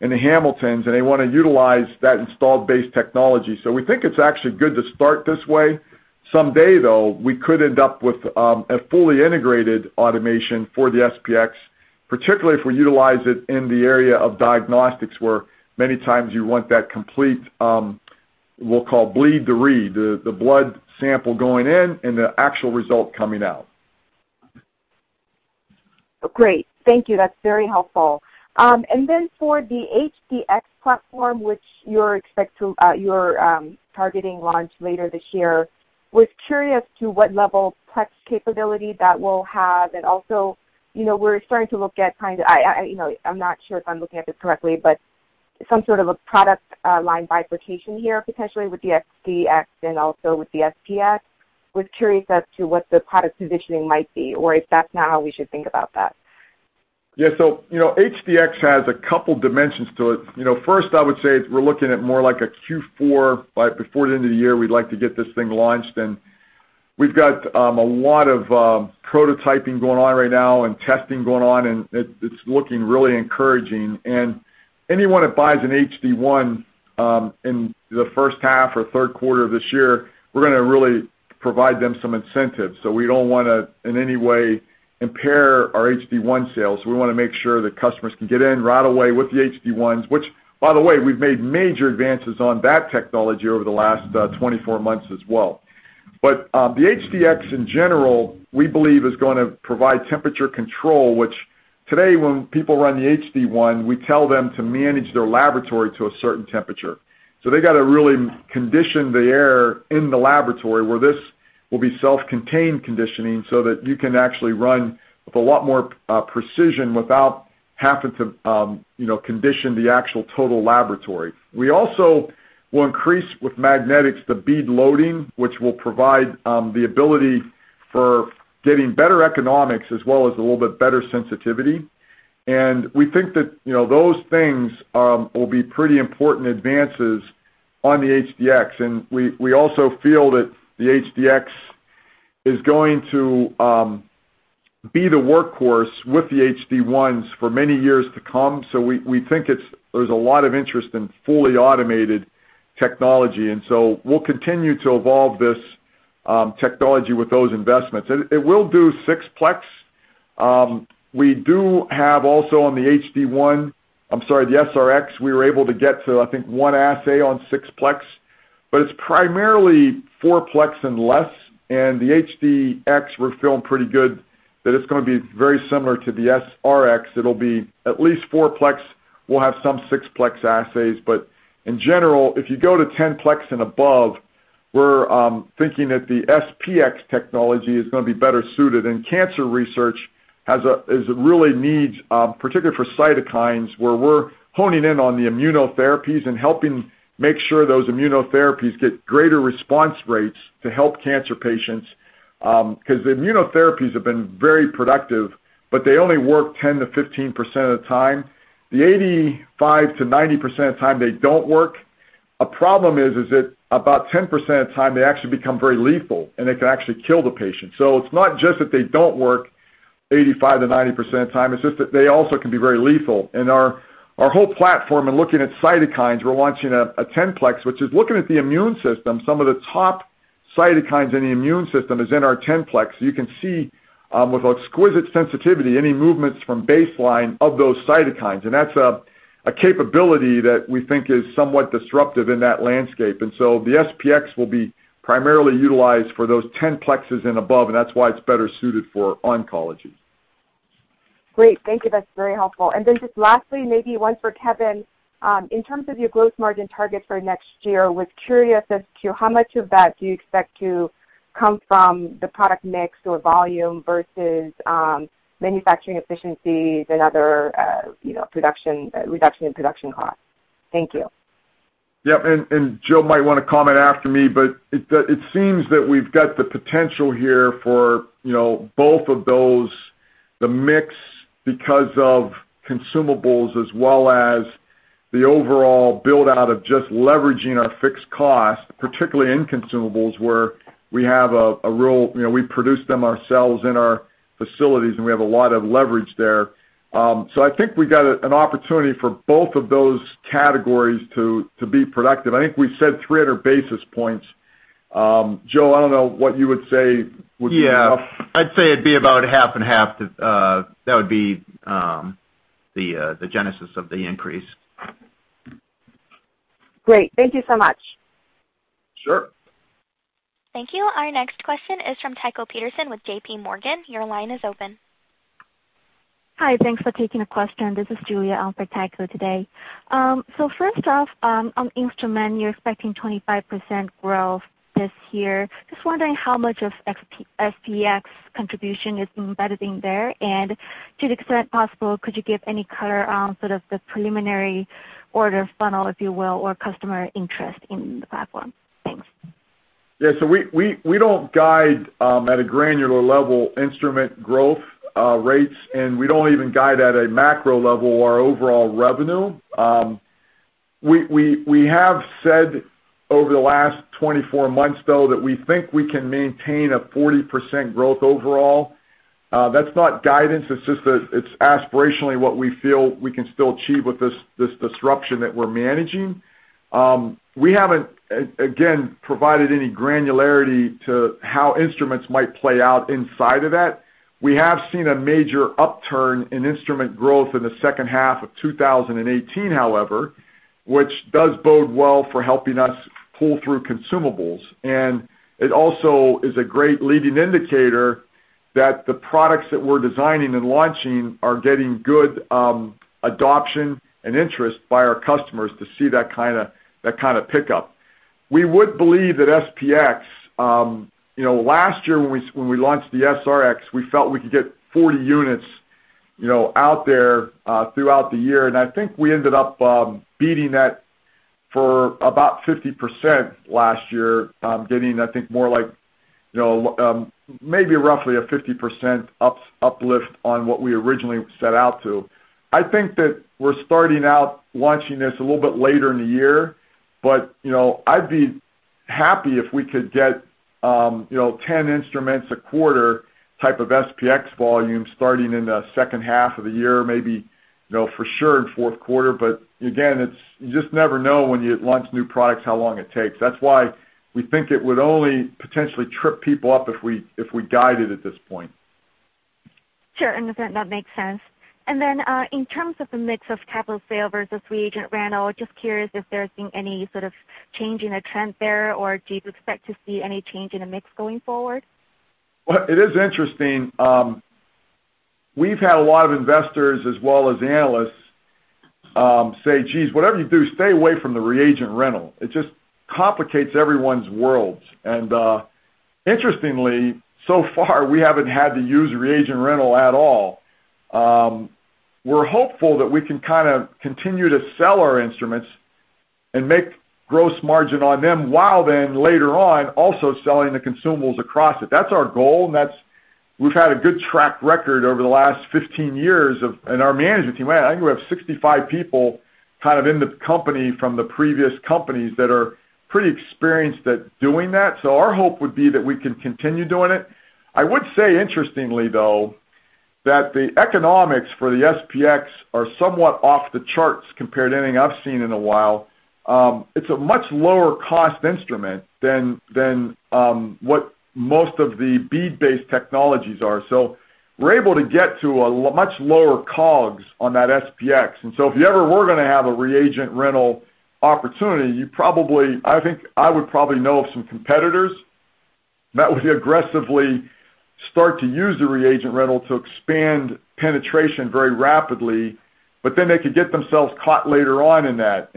and the Hamilton, and they want to utilize that installed base technology. We think it's actually good to start this way. Someday, though, we could end up with a fully integrated automation for the SP-X, particularly if we utilize it in the area of diagnostics, where many times you want that complete, we'll call bleed to read, the blood sample going in and the actual result coming out. Great. Thank you. That's very helpful. For the HD-X platform, which you're targeting launch later this year, was curious to what level plex capability that will have, and also, we're starting to look at, I'm not sure if I'm looking at this correctly, but some sort of a product line bifurcation here, potentially with the HD-X and also with the SP-X. Was curious as to what the product positioning might be or if that's not how we should think about that. Yeah. HD-X has a couple dimensions to it. First, I would say we're looking at more like a Q4, before the end of the year, we'd like to get this thing launched. We've got a lot of prototyping going on right now and testing going on, and it's looking really encouraging. Anyone that buys an HD-1 in the first half or third quarter of this year, we're going to really provide them some incentives. We don't want to, in any way, impair our HD-1 sales. We want to make sure that customers can get in right away with the HD-1s, which, by the way, we've made major advances on that technology over the last 24 months as well. The HD-X in general, we believe is going to provide temperature control, which today when people run the HD-1, we tell them to manage their laboratory to a certain temperature. They got to really condition the air in the laboratory where this will be self-contained conditioning so that you can actually run with a lot more precision without having to condition the actual total laboratory. We also will increase with magnetics, the bead loading, which will provide the ability for getting better economics as well as a little bit better sensitivity. We think that those things will be pretty important advances on the HD-X. We also feel that the HD-X is going to be the workhorse with the HD-1s for many years to come. We think there's a lot of interest in fully automated technology, we'll continue to evolve this technology with those investments. It will do six plex. We do have also on the HD-1, I'm sorry, the SR-X, we were able to get to, I think, one assay on 6 plex, but it's primarily four plex and less, the HD-X, we're feeling pretty good that it's going to be very similar to the SR-X. It'll be at least four plex. We'll have some six plex assays. In general, if you go to 10 plex and above, we're thinking that the SP-X technology is going to be better suited. Cancer research really needs, particularly for cytokines, where we're honing in on the immunotherapies and helping make sure those immunotherapies get greater response rates to help cancer patients, because immunotherapies have been very productive, but they only work 10%-15% of the time. The 85%-90% of the time they don't work. A problem is that about 10% of the time, they actually become very lethal, and they can actually kill the patient. It's not just that they don't work 85%-90% of the time, it's just that they also can be very lethal. Our whole platform in looking at cytokines, we're launching a 10 plex, which is looking at the immune system. Some of the top cytokines in the immune system is in our 10 plex. You can see with exquisite sensitivity any movements from baseline of those cytokines, that's a capability that we think is somewhat disruptive in that landscape. The SP-X will be primarily utilized for those 10 plexes and above, that's why it's better suited for oncology. Great. Thank you. That's very helpful. Just lastly, maybe one for Kevin. In terms of your gross margin targets for next year, was curious as to how much of that do you expect to come from the product mix or volume versus manufacturing efficiencies and other reduction in production costs? Thank you. Yep. Joe might want to comment after me, it seems that we've got the potential here for both of those, the mix because of consumables as well as the overall build-out of just leveraging our fixed cost, particularly in consumables, where we produce them ourselves in our facilities, and we have a lot of leverage there. I think we got an opportunity for both of those categories to be productive. I think we said 300 basis points. Joe, I don't know what you would say would be enough. Yeah. I'd say it'd be about half and half. That would be the genesis of the increase. Great. Thank you so much. Sure. Thank you. Our next question is from Tycho Peterson with JPMorgan. Your line is open. Hi. Thanks for taking the question. This is Julia on for Tycho today. First off, on instrument, you're expecting 25% growth this year. Just wondering how much of SP-X contribution is embedded in there, and to the extent possible, could you give any color on sort of the preliminary order funnel, if you will, or customer interest in the platform? Thanks. Yeah. We don't guide, at a granular level, instrument growth rates, and we don't even guide at a macro level our overall revenue. We have said over the last 24 months, though, that we think we can maintain a 40% growth overall. That's not guidance, it's just that it's aspirationally what we feel we can still achieve with this disruption that we're managing. We haven't, again, provided any granularity to how instruments might play out inside of that. We have seen a major upturn in instrument growth in the second half of 2018, however, which does bode well for helping us pull through consumables. It also is a great leading indicator that the products that we're designing and launching are getting good adoption and interest by our customers to see that kind of pick up. We would believe that SP-X Last year when we launched the SR-X, we felt we could get 40 units out there throughout the year, and I think we ended up beating that for about 50% last year, getting, I think, more like maybe roughly a 50% uplift on what we originally set out to. I think that we're starting out launching this a little bit later in the year, but I'd be happy if we could get 10 instruments a quarter type of SP-X volume starting in the second half of the year, maybe for sure in fourth quarter. Again, you just never know when you launch new products how long it takes. That's why we think it would only potentially trip people up if we guide it at this point. Sure, that makes sense. Then, in terms of the mix of capital sale versus reagent rental, just curious if there's been any sort of change in the trend there, do you expect to see any change in the mix going forward? It is interesting. We've had a lot of investors as well as analysts say, "Geez, whatever you do, stay away from the reagent rental. It just complicates everyone's worlds." Interestingly, so far, we haven't had to use reagent rental at all. We're hopeful that we can kind of continue to sell our instruments and make gross margin on them while later on also selling the consumables across it. That's our goal, and we've had a good track record over the last 15 years, and our management team. I think we have 65 people kind of in the company from the previous companies that are pretty experienced at doing that. Our hope would be that we can continue doing it. I would say interestingly, though, that the economics for the SP-X are somewhat off the charts compared to anything I've seen in a while. It's a much lower cost instrument than what most of the bead-based technologies are. We're able to get to a much lower COGS on that SP-X. If you ever were going to have a reagent rental opportunity, I think I would probably know of some competitors that would aggressively start to use the reagent rental to expand penetration very rapidly, they could get themselves caught later on in that.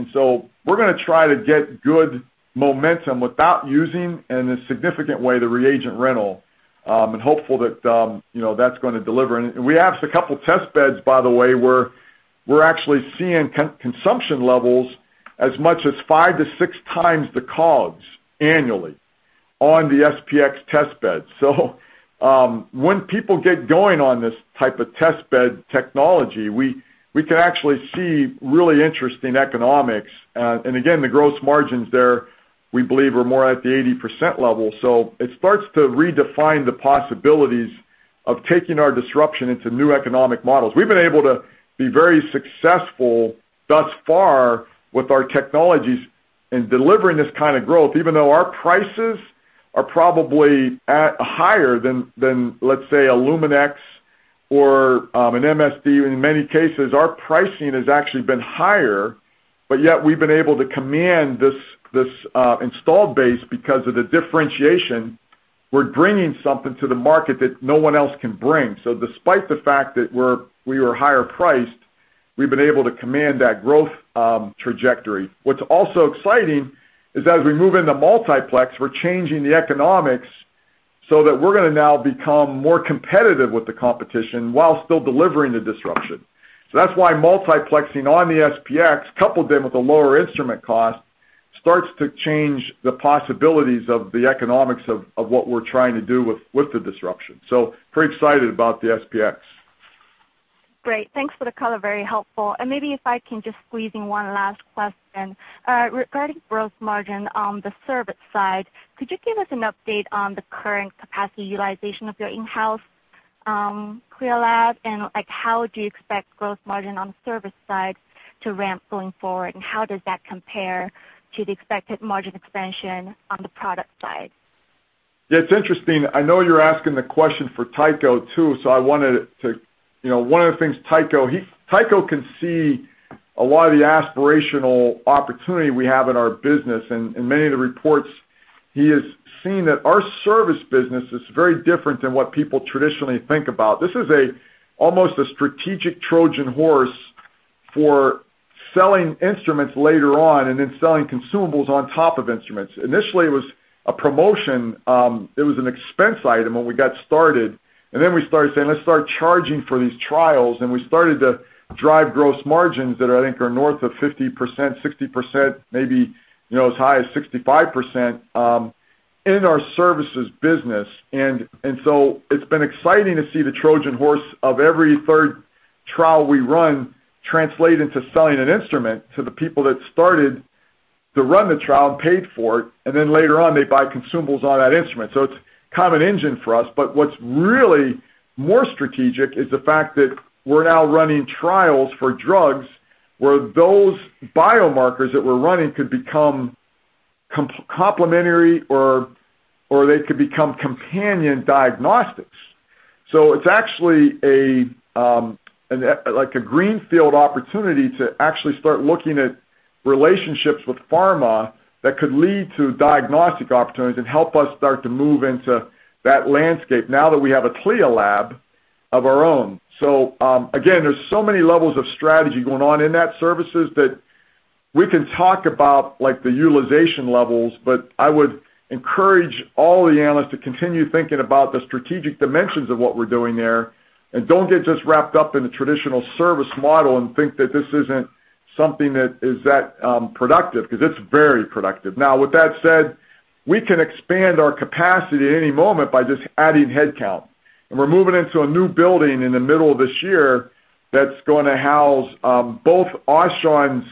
We're going to try to get good momentum without using, in a significant way, the reagent rental, hopeful that's going to deliver. We have a couple test beds, by the way, where we're actually seeing consumption levels as much as 5x-6x the COGS annually on the SP-X test bed. When people get going on this type of test bed technology, we can actually see really interesting economics. Again, the gross margins there, we believe, are more at the 80% level. It starts to redefine the possibilities of taking our disruption into new economic models. We've been able to be very successful thus far with our technologies in delivering this kind of growth, even though our prices are probably higher than, let's say, a Luminex or an MSD. In many cases, our pricing has actually been higher, yet we've been able to command this install base because of the differentiation. We're bringing something to the market that no one else can bring. Despite the fact that we were higher priced, we've been able to command that growth trajectory. What's also exciting is that as we move into multiplex, we're changing the economics so that we're going to now become more competitive with the competition while still delivering the disruption. That's why multiplexing on the SP-X, coupled with the lower instrument cost, starts to change the possibilities of the economics of what we're trying to do with the disruption. Pretty excited about the SP-X. Great. Thanks for the color. Very helpful. Maybe if I can just squeeze in one last question. Regarding gross margin on the service side, could you give us an update on the current capacity utilization of your in-house CLIA lab, and how do you expect gross margin on the service side to ramp going forward, and how does that compare to the expected margin expansion on the product side? Yeah, it's interesting. I know you're asking the question for Tycho too, one of the things Tycho can see a lot of the aspirational opportunity we have in our business. In many of the reports, he has seen that our service business is very different than what people traditionally think about. This is almost a strategic Trojan horse for selling instruments later on and then selling consumables on top of instruments. Initially, it was a promotion, it was an expense item when we got started, we started saying, "Let's start charging for these trials." We started to drive gross margins that I think are north of 50%, 60%, maybe as high as 65% in our services business. It's been exciting to see the Trojan horse of every third trial we run translate into selling an instrument to the people that started to run the trial, paid for it, and then later on they buy consumables on that instrument. It's kind of an engine for us. What's really more strategic is the fact that we're now running trials for drugs where those biomarkers that we're running could become complementary or they could become companion diagnostics. It's actually like a greenfield opportunity to actually start looking at relationships with pharma that could lead to diagnostic opportunities and help us start to move into that landscape now that we have a CLIA lab of our own. Again, there's so many levels of strategy going on in that services that we can talk about, like the utilization levels, but I would encourage all the analysts to continue thinking about the strategic dimensions of what we're doing there. Don't get just wrapped up in the traditional service model and think that this isn't something that is that productive, because it's very productive. Now, with that said, we can expand our capacity at any moment by just adding headcount. We're moving into a new building in the middle of this year that's going to house both Aushon's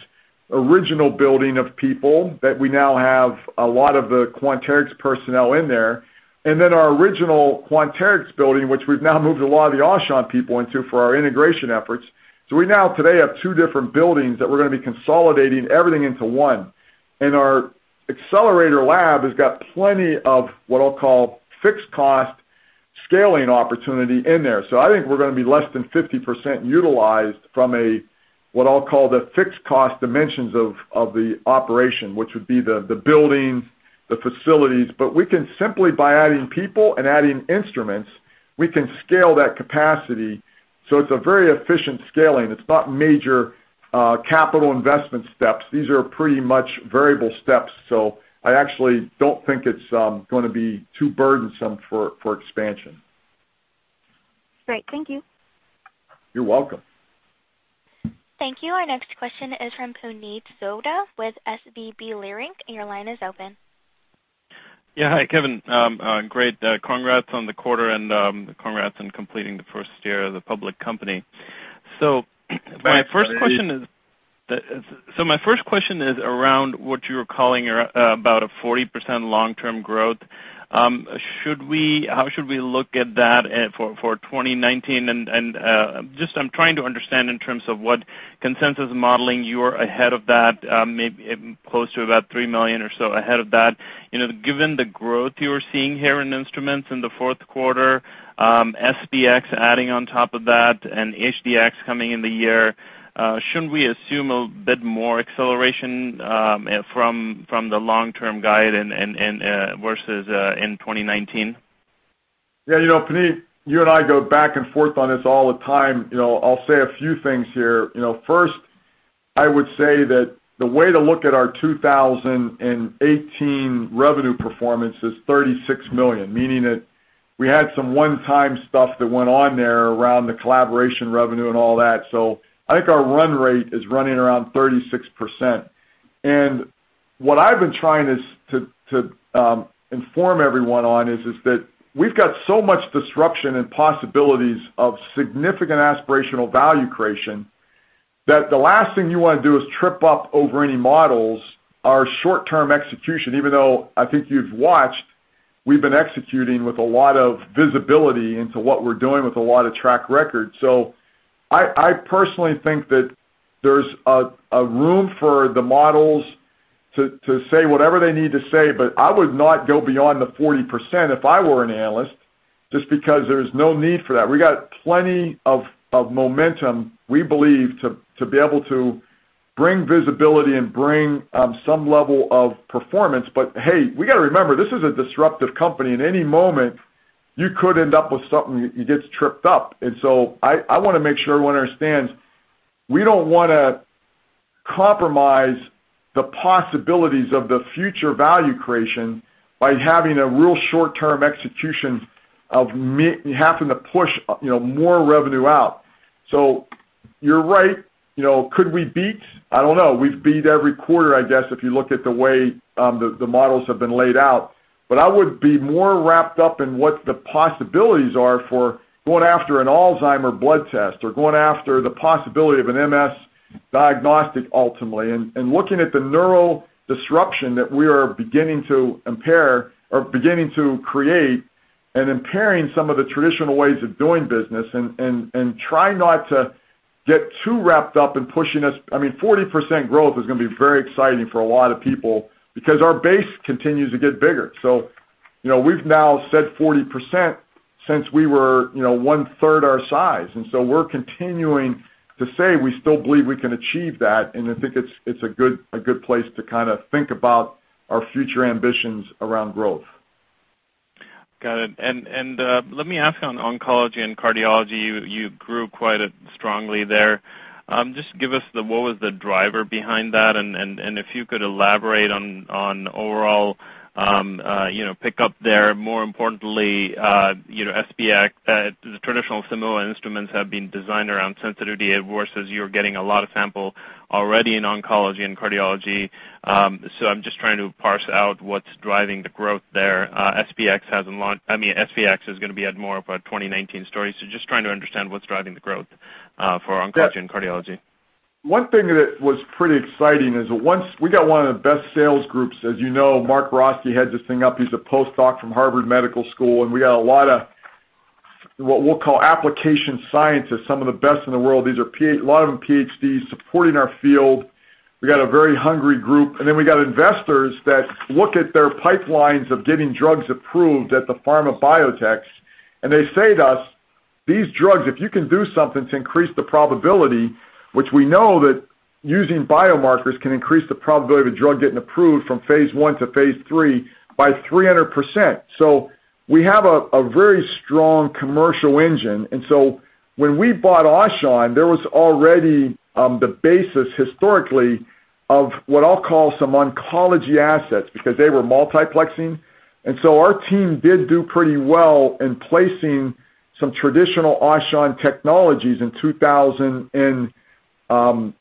original building of people, that we now have a lot of the Quanterix personnel in there, and then our original Quanterix building, which we've now moved a lot of the Aushon people into for our integration efforts. We now today have two different buildings that we're going to be consolidating everything into one. Our accelerator lab has got plenty of what I'll call fixed cost scaling opportunity in there. I think we're going to be less than 50% utilized from a, what I'll call the fixed cost dimensions of the operation, which would be the buildings, the facilities. We can simply by adding people and adding instruments, we can scale that capacity. It's a very efficient scaling. It's not major capital investment steps. These are pretty much variable steps. I actually don't think it's going to be too burdensome for expansion. Great. Thank you. You're welcome. Thank you. Our next question is from Puneet Souda with SVB Leerink. Your line is open. Yeah. Hi, Kevin. Great. Congrats on the quarter and congrats on completing the first year as a public company. My first question is around what you're calling about a 40% long-term growth. How should we look at that for 2019? Just I'm trying to understand in terms of what consensus modeling, you're ahead of that, maybe close to about $3 million or so ahead of that. Given the growth you're seeing here in instruments in the fourth quarter, SP-X adding on top of that and HD-X coming in the year, shouldn't we assume a bit more acceleration from the long-term guide versus in 2019? Yeah, Puneet, you and I go back and forth on this all the time. I'll say a few things here. First, I would say that the way to look at our 2018 revenue performance is $36 million, meaning that we had some one-time stuff that went on there around the collaboration revenue and all that. I think our run rate is running around 36%. What I've been trying to inform everyone on is that we've got so much disruption and possibilities of significant aspirational value creation, that the last thing you want to do is trip up over any models, our short-term execution, even though I think you've watched, we've been executing with a lot of visibility into what we're doing with a lot of track record. I personally think that there's a room for the models to say whatever they need to say, but I would not go beyond the 40% if I were an analyst. Just because there's no need for that. We got plenty of momentum, we believe, to be able to bring visibility and bring some level of performance. Hey, we got to remember, this is a disruptive company. At any moment, you could end up with something that gets tripped up. I want to make sure everyone understands, we don't want to compromise the possibilities of the future value creation by having a real short-term execution of having to push more revenue out. You're right, could we beat? I don't know. We've beat every quarter, I guess, if you look at the way the models have been laid out. I would be more wrapped up in what the possibilities are for going after an Alzheimer blood test or going after the possibility of an MS diagnostic ultimately. Looking at the neural disruption that we are beginning to impair or beginning to create and impairing some of the traditional ways of doing business and try not to get too wrapped up in pushing us. I mean, 40% growth is going to be very exciting for a lot of people because our base continues to get bigger. We've now said 40% since we were 1/3 our size, we're continuing to say we still believe we can achieve that, and I think it's a good place to think about our future ambitions around growth. Got it. Let me ask you on oncology and cardiology, you grew quite strongly there. Just give us what was the driver behind that, and if you could elaborate on overall pick up there, more importantly, SP-X, the traditional Simoa instruments have been designed around sensitivity, versus you're getting a lot of sample already in oncology and cardiology. I'm just trying to parse out what's driving the growth there. SP-X is going to be more of a 2019 story. Just trying to understand what's driving the growth for oncology and cardiology. One thing that was pretty exciting is we got one of the best sales groups. As you know, Mark Roskey heads this thing up. He's a postdoc from Harvard Medical School, we got a lot of, what we'll call application scientists, some of the best in the world. A lot of them PhDs supporting our field. We got a very hungry group. We got investors that look at their pipelines of getting drugs approved at the pharma biotechs, and they say to us, "These drugs, if you can do something to increase the probability," which we know that using biomarkers can increase the probability of a drug getting approved from phase I-phase III by 300%. We have a very strong commercial engine, when we bought Aushon, there was already the basis historically of what I'll call some oncology assets because they were multiplexing. Our team did do pretty well in placing some traditional Aushon technologies in 2018.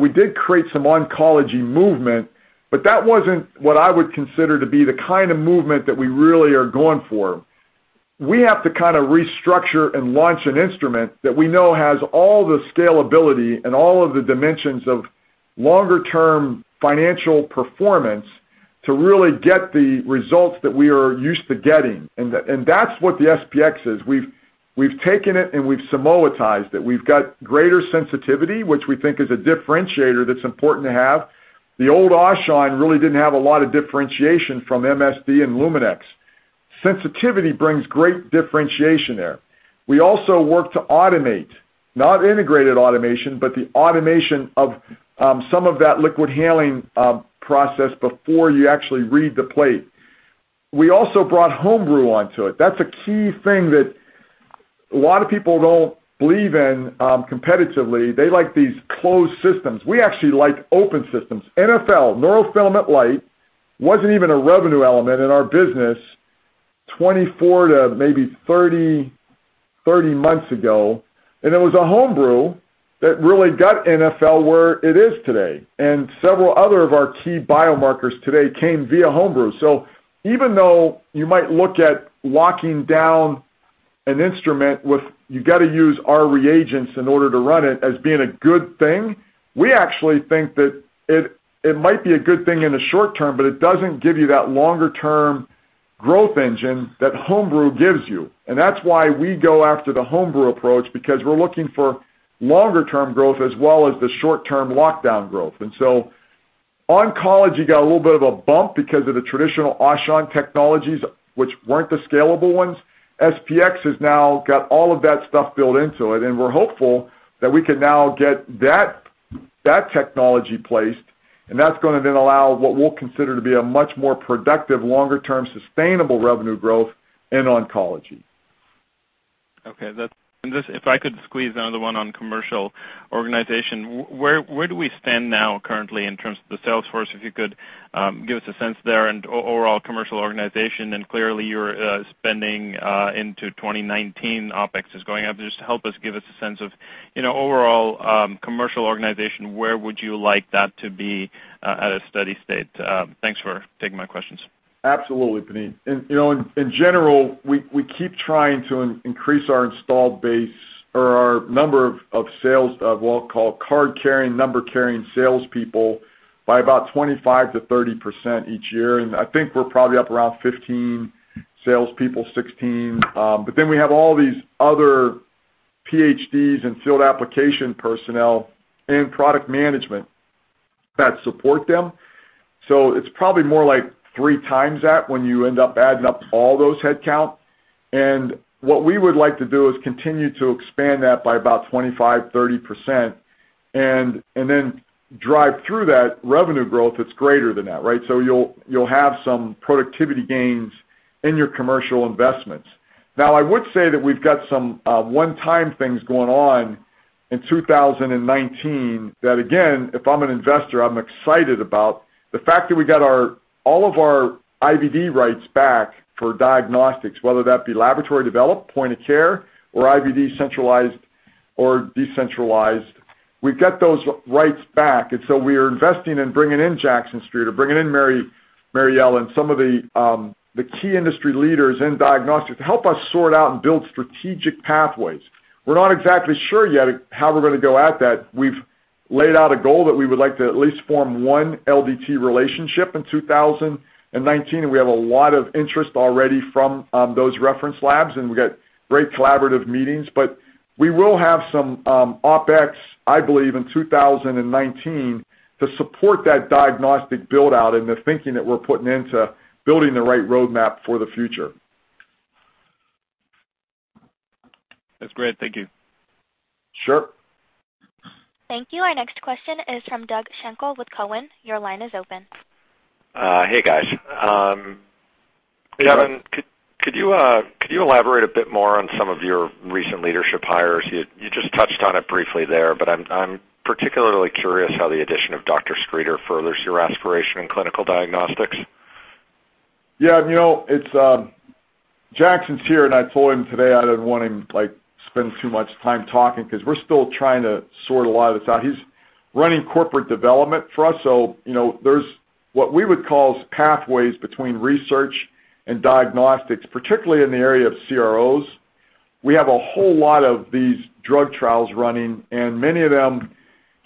We did create some oncology movement, but that wasn't what I would consider to be the kind of movement that we really are going for. We have to restructure and launch an instrument that we know has all the scalability and all of the dimensions of longer-term financial performance to really get the results that we are used to getting. That's what the SP-X is. We've taken it and we've Simoitized it. We've got greater sensitivity, which we think is a differentiator that's important to have. The old Aushon really didn't have a lot of differentiation from MSD and Luminex. Sensitivity brings great differentiation there. We also work to automate, not integrated automation, but the automation of some of that liquid handling process before you actually read the plate. We also brought Homebrew onto it. That's a key thing that a lot of people don't believe in competitively. They like these closed systems. We actually like open systems. NfL, neurofilament light, wasn't even a revenue element in our business 24 to maybe 30 months ago, and it was a Homebrew that really got NfL where it is today. Several other of our key biomarkers today came via Homebrew. Even though you might look at locking down an instrument with you got to use our reagents in order to run it as being a good thing, we actually think that it might be a good thing in the short term, but it doesn't give you that longer-term growth engine that Homebrew gives you. That's why we go after the Homebrew approach because we're looking for longer-term growth as well as the short-term lockdown growth. Oncology got a little bit of a bump because of the traditional Aushon technologies, which weren't the scalable ones. SP-X has now got all of that stuff built into it, and we're hopeful that we can now get that technology placed, and that's going to then allow what we'll consider to be a much more productive, longer-term, sustainable revenue growth in oncology. Okay. If I could squeeze another one on commercial organization, where do we stand now currently in terms of the sales force? If you could give us a sense there and overall commercial organization, clearly you're spending into 2019, OpEx is going up. Just help us give us a sense of overall commercial organization, where would you like that to be at a steady state? Thanks for taking my questions. Absolutely, Puneet. In general, we keep trying to increase our installed base or our number of sales, what I'll call card-carrying, number-carrying salespeople by about 25%-30% each year. I think we're probably up around 15 salespeople, 16. We have all these other PhDs and field application personnel and product management that support them. It's probably more like 3x that when you end up adding up all those headcount. What we would like to do is continue to expand that by about 25%-30%, and then drive through that revenue growth that's greater than that, right? You'll have some productivity gains in your commercial investments. I would say that we've got some one-time things going on in 2019 that, again, if I'm an investor, I'm excited about the fact that we got all of our IVD rights back for diagnostics, whether that be laboratory developed, point of care, or IVD centralized or decentralized. We get those rights back. We are investing in bringing in Jackson Streeter, bringing in Mary Ellen, some of the key industry leaders in diagnostics to help us sort out and build strategic pathways. We're not exactly sure yet how we're going to go at that. We've laid out a goal that we would like to at least form one LDT relationship in 2019. We have a lot of interest already from those reference labs. We got great collaborative meetings. We will have some OpEx, I believe, in 2019 to support that diagnostic build-out and the thinking that we're putting into building the right roadmap for the future. That's great. Thank you. Sure. Thank you. Our next question is from Doug Schenkel with Cowen. Your line is open. Hey, guys. Hey. Kevin, could you elaborate a bit more on some of your recent leadership hires? You just touched on it briefly there, but I'm particularly curious how the addition of Dr. Streeter furthers your aspiration in clinical diagnostics. Yeah, Jackson's here, and I told him today I didn't want him to spend too much time talking because we're still trying to sort a lot of this out. He's running corporate development for us, there's what we would call pathways between research and diagnostics, particularly in the area of CROs. We have a whole lot of these drug trials running, and many of them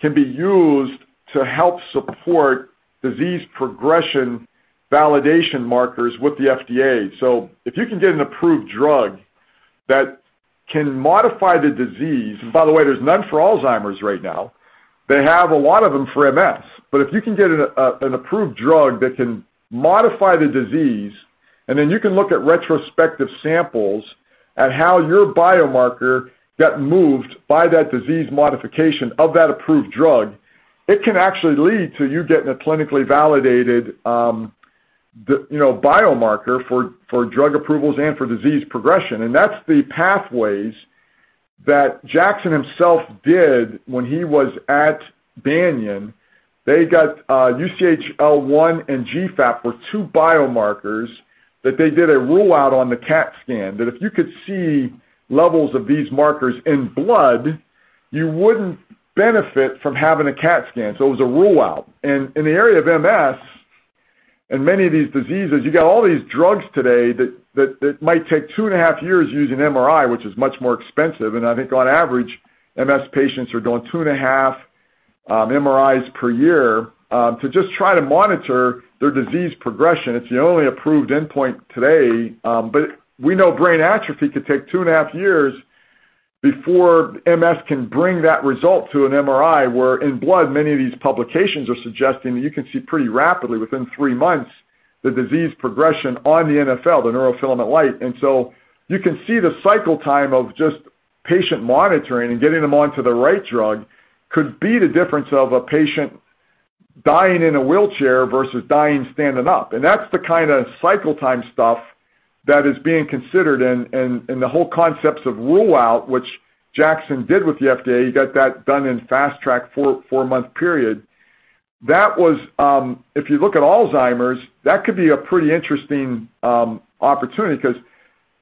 can be used to help support disease progression validation markers with the FDA. If you can get an approved drug that can modify the disease, and by the way, there's none for Alzheimer's right now. They have a lot of them for MS. If you can get an approved drug that can modify the disease, and then you can look at retrospective samples at how your biomarker got moved by that disease modification of that approved drug, it can actually lead to you getting a clinically validated biomarker for drug approvals and for disease progression. That's the pathways that Jackson himself did when he was at Banyan. They got UCHL1 and GFAP were two biomarkers that they did a rule-out on the CAT scan, that if you could see levels of these markers in blood, you wouldn't benefit from having a CAT scan. It was a rule-out. In the area of MS, and many of these diseases, you got all these drugs today that might take 2.5 years using MRI, which is much more expensive, and I think on average, MS patients are doing 2.5 MRIs per year, to just try to monitor their disease progression. It's the only approved endpoint today, but we know brain atrophy could take 2.5 years before MS can bring that result to an MRI, where in blood, many of these publications are suggesting that you can see pretty rapidly within three months, the disease progression on the NfL, the neurofilament light. You can see the cycle time of just patient monitoring and getting them onto the right drug could be the difference of a patient dying in a wheelchair versus dying standing up. That's the kind of cycle time stuff that is being considered, and the whole concepts of rule-out, which Jackson did with the FDA, he got that done in fast track four-month period. If you look at Alzheimer's, that could be a pretty interesting opportunity because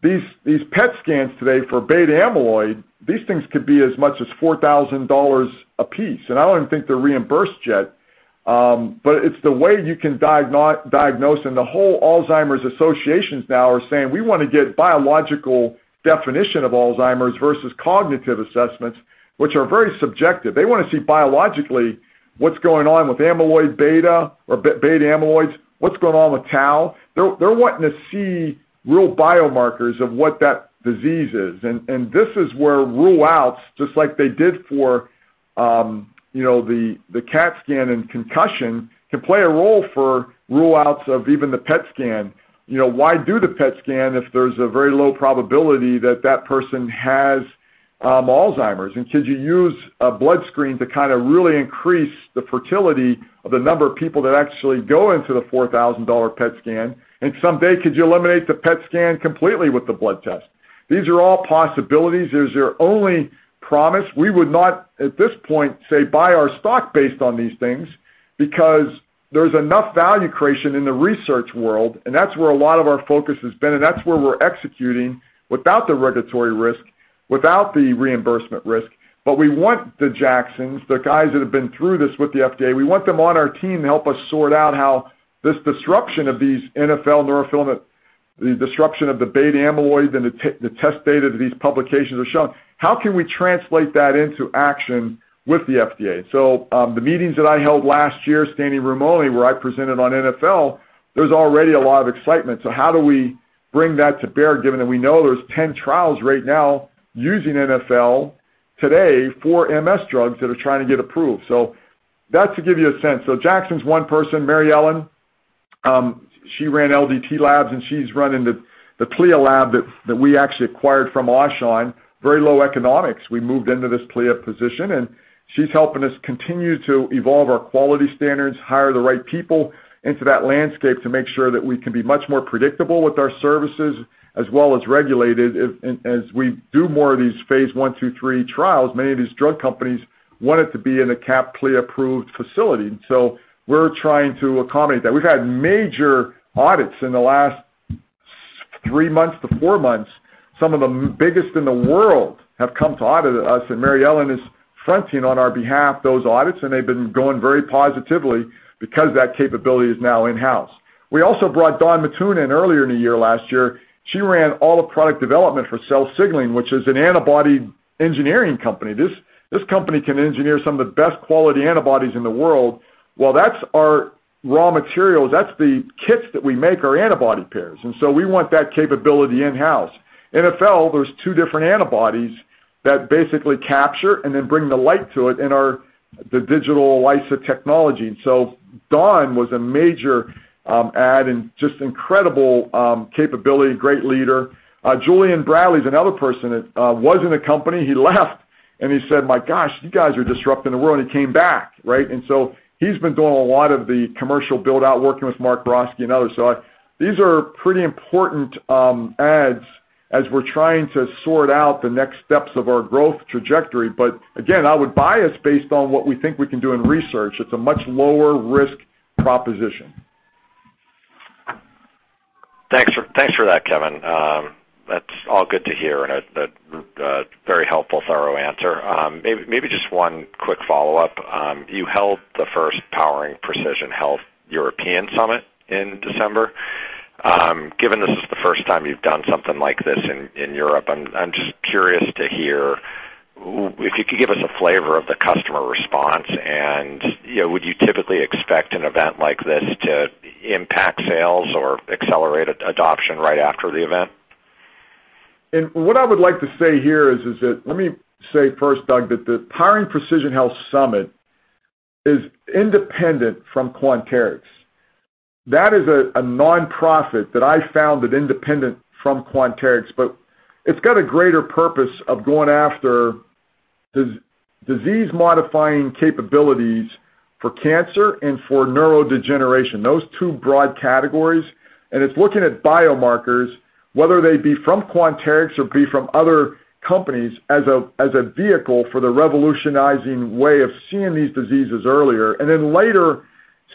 these PET scans today for beta-amyloid, these things could be as much as $4,000 a piece, and I don't even think they're reimbursed yet. It's the way you can diagnose, and the whole Alzheimer's associations now are saying, "We want to get biological definition of Alzheimer's versus cognitive assessments," which are very subjective. They want to see biologically what's going on with amyloid beta or beta-amyloids, what's going on with tau. They're wanting to see real biomarkers of what that disease is, this is where rule-outs, just like they did for the CAT scan and concussion, can play a role for rule-outs of even the PET scan. Why do the PET scan if there's a very low probability that that person has Alzheimer's? Could you use a blood screen to kind of really increase the fertility of the number of people that actually go into the $4,000 PET scan? Someday, could you eliminate the PET scan completely with the blood test? These are all possibilities. These are only promise. We would not, at this point, say buy our stock based on these things because there's enough value creation in the research world, and that's where a lot of our focus has been, and that's where we're executing without the regulatory risk, without the reimbursement risk. We want the Jacksons, the guys that have been through this with the FDA, we want them on our team to help us sort out how this disruption of these NfL neurofilament, the disruption of the beta-amyloid, and the test data that these publications are showing, how can we translate that into action with the FDA? The meetings that I held last year, Stanley Ramony, where I presented on NfL, there's already a lot of excitement. How do we bring that to bear, given that we know there's 10 trials right now using NfL today for MS drugs that are trying to get approved. That's to give you a sense. Jackson's one person, Mary Ellen, she ran LDT labs, and she's running the CLIA lab that we actually acquired from Aushon, very low economics. We moved into this CLIA position, and she's helping us continue to evolve our quality standards, hire the right people into that landscape to make sure that we can be much more predictable with our services as well as regulated as we do more of these phase I, phase II, phase III trials. Many of these drug companies want it to be in a CAP, CLIA-approved facility. We're trying to accommodate that. We've had major audits in the last three months to four months. Some of the biggest in the world have come to audit us, and Mary Ellen is fronting on our behalf, those audits, and they've been going very positively because that capability is now in-house. We also brought Dawn Mattoon in earlier in the year, last year. She ran all of product development for Cell Signaling, which is an antibody engineering company. This company can engineer some of the best quality antibodies in the world. That's our raw materials. That's the kits that we make, are antibody pairs. We want that capability in-house. NfL, there's two different antibodies that basically capture and then bring the light to it in the digital ELISA technology. Dawn was a major add and just incredible capability, great leader. Julien Bradley is another person that was in the company. He left, and he said, "My gosh, you guys are disrupting the world," and he came back. He's been doing a lot of the commercial build-out, working with Mark Roskey and others. These are pretty important adds as we're trying to sort out the next steps of our growth trajectory. Again, I would buy us based on what we think we can do in research. It's a much lower risk proposition. Thanks for that, Kevin. That's all good to hear, and a very helpful, thorough answer. Maybe just one quick follow-up. You held the first Powering Precision Health European Summit in December. Given this is the first time you've done something like this in Europe, I'm just curious to hear if you could give us a flavor of the customer response and would you typically expect an event like this to impact sales or accelerate adoption right after the event? What I would like to say here is that, let me say first, Doug, that the Powering Precision Health Summit is independent from Quanterix. That is a nonprofit that I founded independent from Quanterix, but it's got a greater purpose of going after disease-modifying capabilities for cancer and for neurodegeneration, those two broad categories. It's looking at biomarkers, whether they be from Quanterix or be from other companies as a vehicle for the revolutionizing way of seeing these diseases earlier, and then later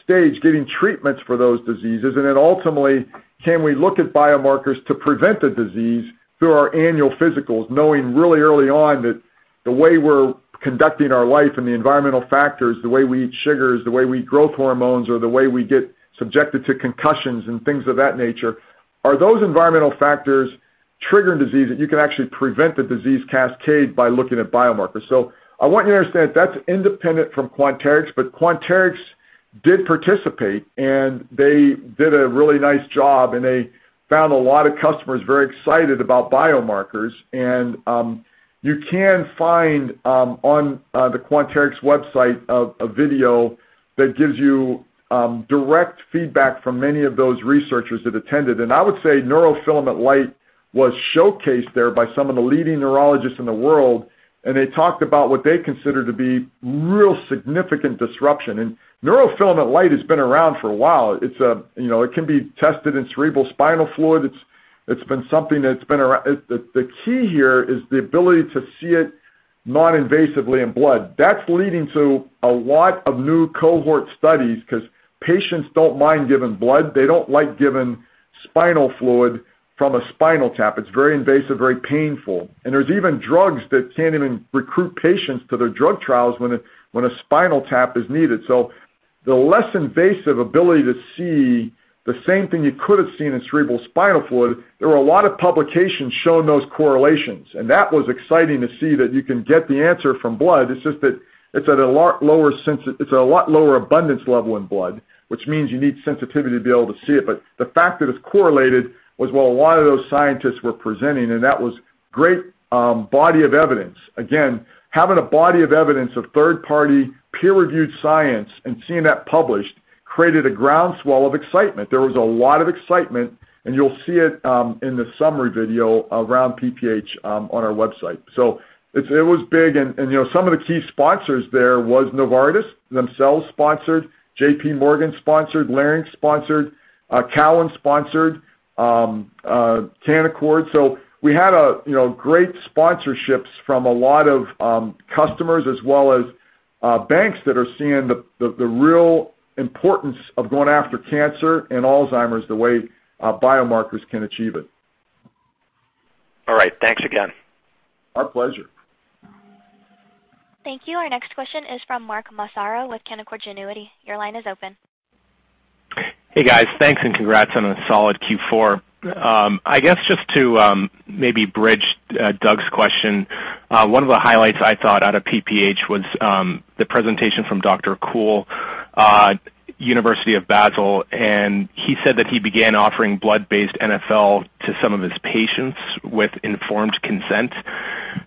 stage, getting treatments for those diseases. Ultimately, can we look at biomarkers to prevent the disease through our annual physicals, knowing really early on that the way we're conducting our life and the environmental factors, the way we eat sugars, the way we growth hormones, or the way we get subjected to concussions and things of that nature, are those environmental factors triggering disease that you can actually prevent the disease cascade by looking at biomarkers? I want you to understand that's independent from Quanterix, but Quanterix did participate, and they did a really nice job, and they found a lot of customers very excited about biomarkers. You can find on the Quanterix website a video that gives you direct feedback from many of those researchers that attended. I would say neurofilament light was showcased there by some of the leading neurologists in the world, and they talked about what they consider to be real significant disruption. Neurofilament light has been around for a while. It can be tested in cerebral spinal fluid. The key here is the ability to see it non-invasively in blood. That's leading to a lot of new cohort studies because patients don't mind giving blood. They don't like giving spinal fluid from a spinal tap. It's very invasive, very painful. There's even drugs that can't even recruit patients to their drug trials when a spinal tap is needed. The less invasive ability to see the same thing you could have seen in cerebral spinal fluid, there were a lot of publications showing those correlations, and that was exciting to see that you can get the answer from blood. It's just that it's at a lot lower abundance level in blood, which means you need sensitivity to be able to see it. The fact that it's correlated was what a lot of those scientists were presenting, and that was great body of evidence. Again, having a body of evidence of third-party, peer-reviewed science and seeing that published created a groundswell of excitement. There was a lot of excitement, and you'll see it in the summary video around PPH on our website. It was big, and some of the key sponsors there was Novartis themselves sponsored, JPMorgan sponsored, Leerink sponsored, Cowen sponsored, Canaccord. We had great sponsorships from a lot of customers as well as banks that are seeing the real importance of going after cancer and Alzheimer's the way biomarkers can achieve it. All right. Thanks again. Our pleasure. Thank you. Our next question is from Mark Massaro with Canaccord Genuity. Your line is open. Hey, guys. Thanks, and congrats on a solid Q4. I guess just to maybe bridge Doug's question, one of the highlights I thought out of PPH was the presentation from Dr. Kuhle-University of Basel, and he said that he began offering blood-based NfL to some of his patients with informed consent.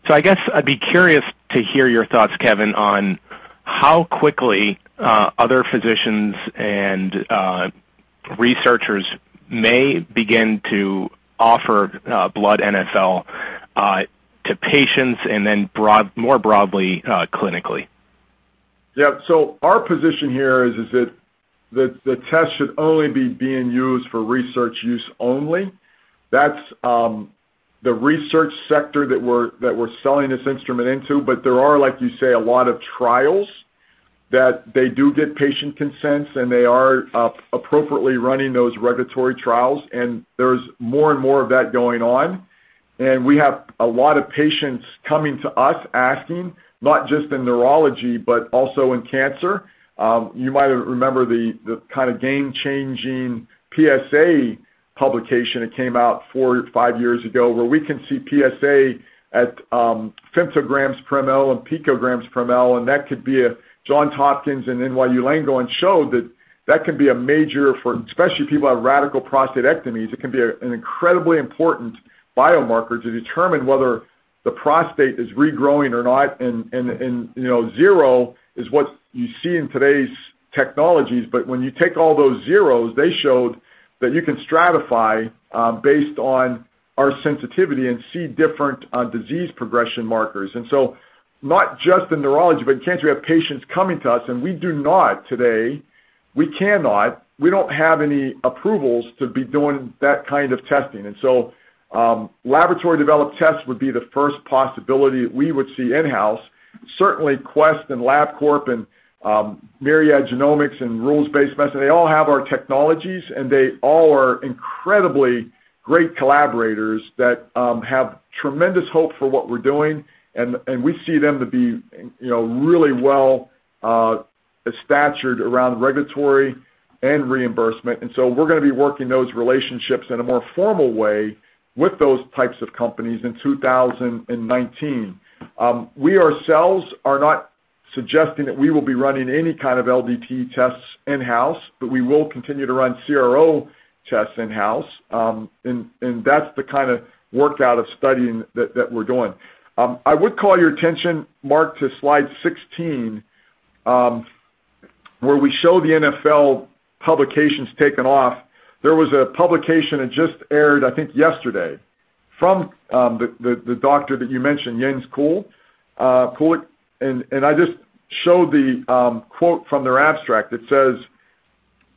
I guess I'd be curious to hear your thoughts, Kevin, on how quickly other physicians and researchers may begin to offer blood NfL to patients and then more broadly, clinically. Our position here is that the test should only be being used for research use only. That's the research sector that we're selling this instrument into. There are, like you say, a lot of trials that they do get patient consents, and they are appropriately running those regulatory trials, and there's more and more of that going on. We have a lot of patients coming to us asking, not just in neurology, but also in cancer. You might remember the kind of game-changing PSA publication that came out four or five years ago, where we can see PSA at femtograms per mL and picograms per mL, and Johns Hopkins and NYU Langone showed that that can be a major for, especially people who have radical prostatectomies, it can be an incredibly important biomarker to determine whether the prostate is regrowing or not. Zero is what you see in today's technologies. When you take all those zeros, they showed that you can stratify, based on our sensitivity, and see different disease progression markers. Not just in neurology, but in cancer, we have patients coming to us, and we do not today, we cannot, we don't have any approvals to be doing that kind of testing. Laboratory-developed tests would be the first possibility that we would see in-house. Certainly, Quest and Labcorp and Myriad Genetics and Rules-Based Medicine, they all have our technologies, and they all are incredibly great collaborators that have tremendous hope for what we're doing, and we see them to be really well statured around regulatory and reimbursement. We're going to be working those relationships in a more formal way with those types of companies in 2019. We ourselves are not suggesting that we will be running any kind of LDT tests in-house, but we will continue to run CRO tests in-house. That's the kind of work out of studying that we're doing. I would call your attention, Mark, to slide 16, where we show the NfL publications taking off. There was a publication that just aired, I think yesterday, from the doctor that you mentioned, Jens Kuhle. I just showed the quote from their abstract that says,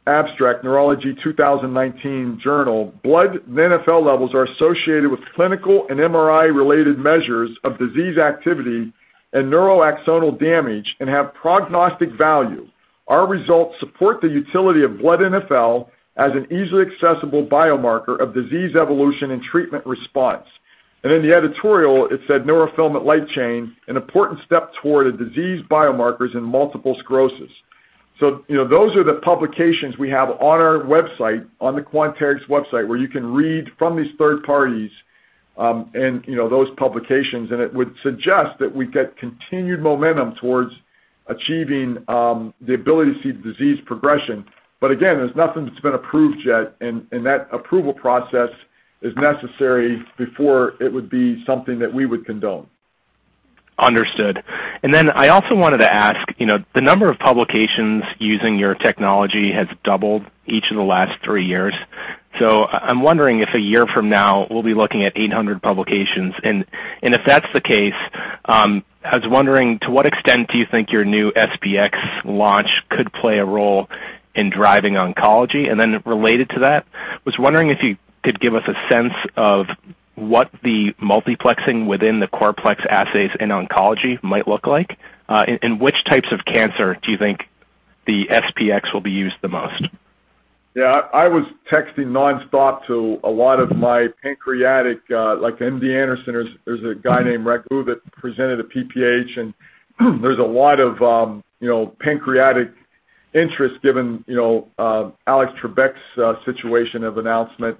abstract, "Neurology 2019 Journal," "Blood NfL levels are associated with clinical and MRI-related measures of disease activity and neuroaxonal damage and have prognostic value. Our results support the utility of blood NfL as an easily accessible biomarker of disease evolution and treatment response." In the editorial, it said, "Neurofilament light chain, an important step toward a disease biomarkers in multiple sclerosis." Those are the publications we have on our website, on the Quanterix website, where you can read from these third parties, and those publications, and it would suggest that we get continued momentum towards achieving the ability to see disease progression. Again, there's nothing that's been approved yet, and that approval process is necessary before it would be something that we would condone. Understood. I also wanted to ask, the number of publications using your technology has doubled each of the last three years. I'm wondering if a year from now we'll be looking at 800 publications. If that's the case, I was wondering to what extent do you think your new SP-X launch could play a role in driving oncology? Related to that, I was wondering if you could give us a sense of what the multiplexing within the CorPlex assays in oncology might look like. In which types of cancer do you think the SP-X will be used the most? I was texting non-stop to a lot of my pancreatic, like MD Anderson, there's a guy named Raghu that presented at PPH, there's a lot of pancreatic interest given Alex Trebek's situation of announcement.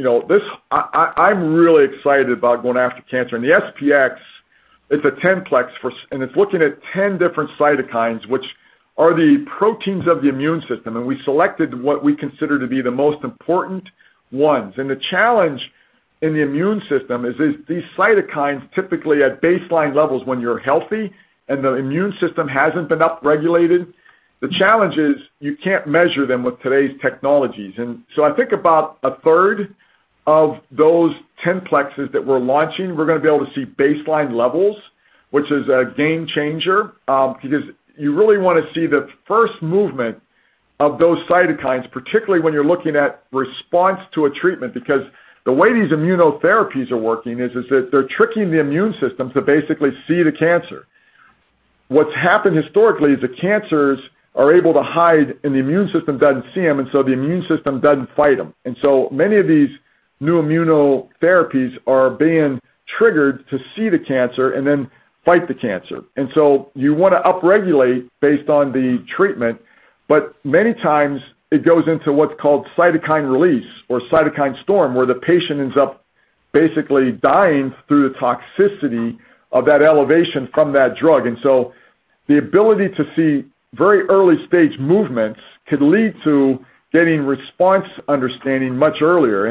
I'm really excited about going after cancer. The SP-X is a 10-plex, it's looking at 10 different cytokines, which are the proteins of the immune system. We selected what we consider to be the most important ones. The challenge in the immune system is these cytokines, typically at baseline levels when you're healthy and the immune system hasn't been upregulated, the challenge is you can't measure them with today's technologies. I think about 1/3 of those 10 plexes that we're launching, we're going to be able to see baseline levels, which is a game changer, because you really want to see the first movement of those cytokines, particularly when you're looking at response to a treatment. The way these immunotherapies are working is that they're tricking the immune system to basically see the cancer. What's happened historically is the cancers are able to hide, the immune system doesn't see them, the immune system doesn't fight them. Many of these new immunotherapies are being triggered to see the cancer and then fight the cancer. You want to upregulate based on the treatment. But many times it goes into what's called cytokine release or cytokine storm, where the patient ends up basically dying through the toxicity of that elevation from that drug. The ability to see very early-stage movements could lead to getting response understanding much earlier.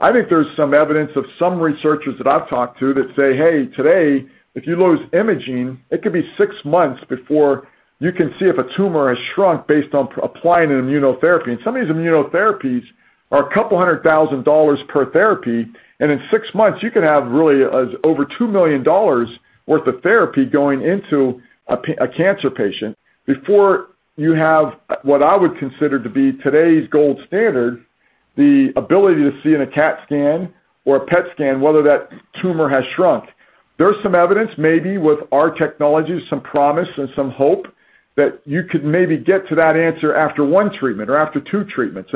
I think there's some evidence of some researchers that I've talked to that say, "Hey, today, if you lose imaging, it could be six months before you can see if a tumor has shrunk based on applying an immunotherapy." Some of these immunotherapies are $200,000 per therapy, and in six months, you could have really over $2 million worth of therapy going into a cancer patient before you have what I would consider to be today's gold standard, the ability to see in a CAT scan or a PET scan whether that tumor has shrunk. There's some evidence, maybe with our technology, some promise and some hope that you could maybe get to that answer after one treatment or after two treatments.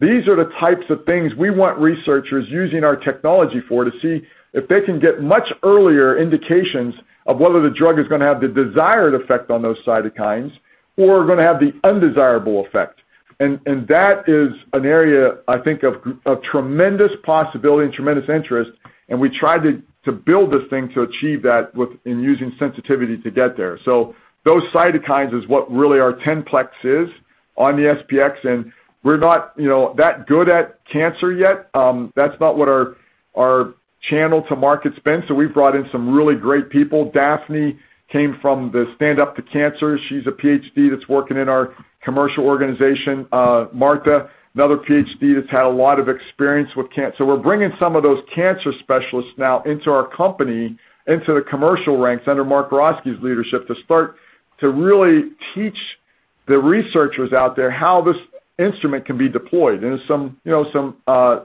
These are the types of things we want researchers using our technology for to see if they can get much earlier indications of whether the drug is going to have the desired effect on those cytokines or going to have the undesirable effect. That is an area, I think, of tremendous possibility and tremendous interest, and we try to build this thing to achieve that in using sensitivity to get there. Those cytokines is what really our 10-plex is on the SP-X, and we're not that good at cancer yet. That's not what our channel to market's been, so we've brought in some really great people. Daphne came from the Stand Up To Cancer. She's a PhD that's working in our commercial organization. Martha, another PhD, that's had a lot of experience with cancer. We're bringing some of those cancer specialists now into our company, into the commercial ranks under Mark Roskey's leadership to start to really teach the researchers out there how this instrument can be deployed, and there's some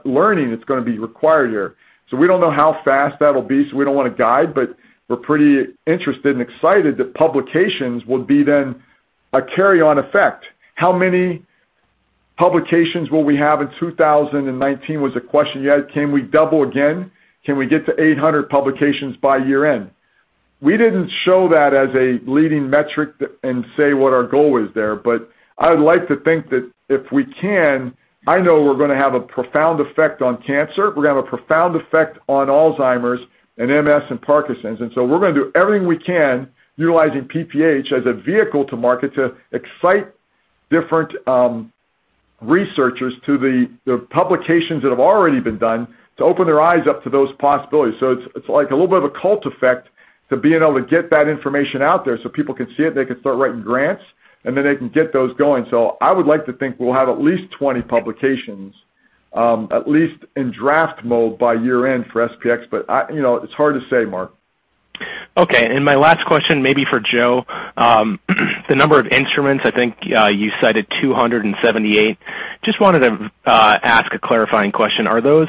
learning that's going to be required here. We don't know how fast that'll be, so we don't want to guide, but we're pretty interested and excited that publications will be then a carry-on effect. How many publications will we have in 2019 was a question you had. Can we double again? Can we get to 800 publications by year-end? We didn't show that as a leading metric and say what our goal is there, but I would like to think that if we can, I know we're going to have a profound effect on cancer. We're going to have a profound effect on Alzheimer's and MS and Parkinson's. We're going to do everything we can, utilizing PPH as a vehicle to market, to excite different researchers to the publications that have already been done to open their eyes up to those possibilities. It's like a little bit of a cult effect to being able to get that information out there so people can see it, they can start writing grants, and then they can get those going. I would like to think we'll have at least 20 publications, at least in draft mode by year-end for SP-X, but it's hard to say, Mark. My last question may be for Joe. The number of instruments, I think you cited 278. Just wanted to ask a clarifying question. Are those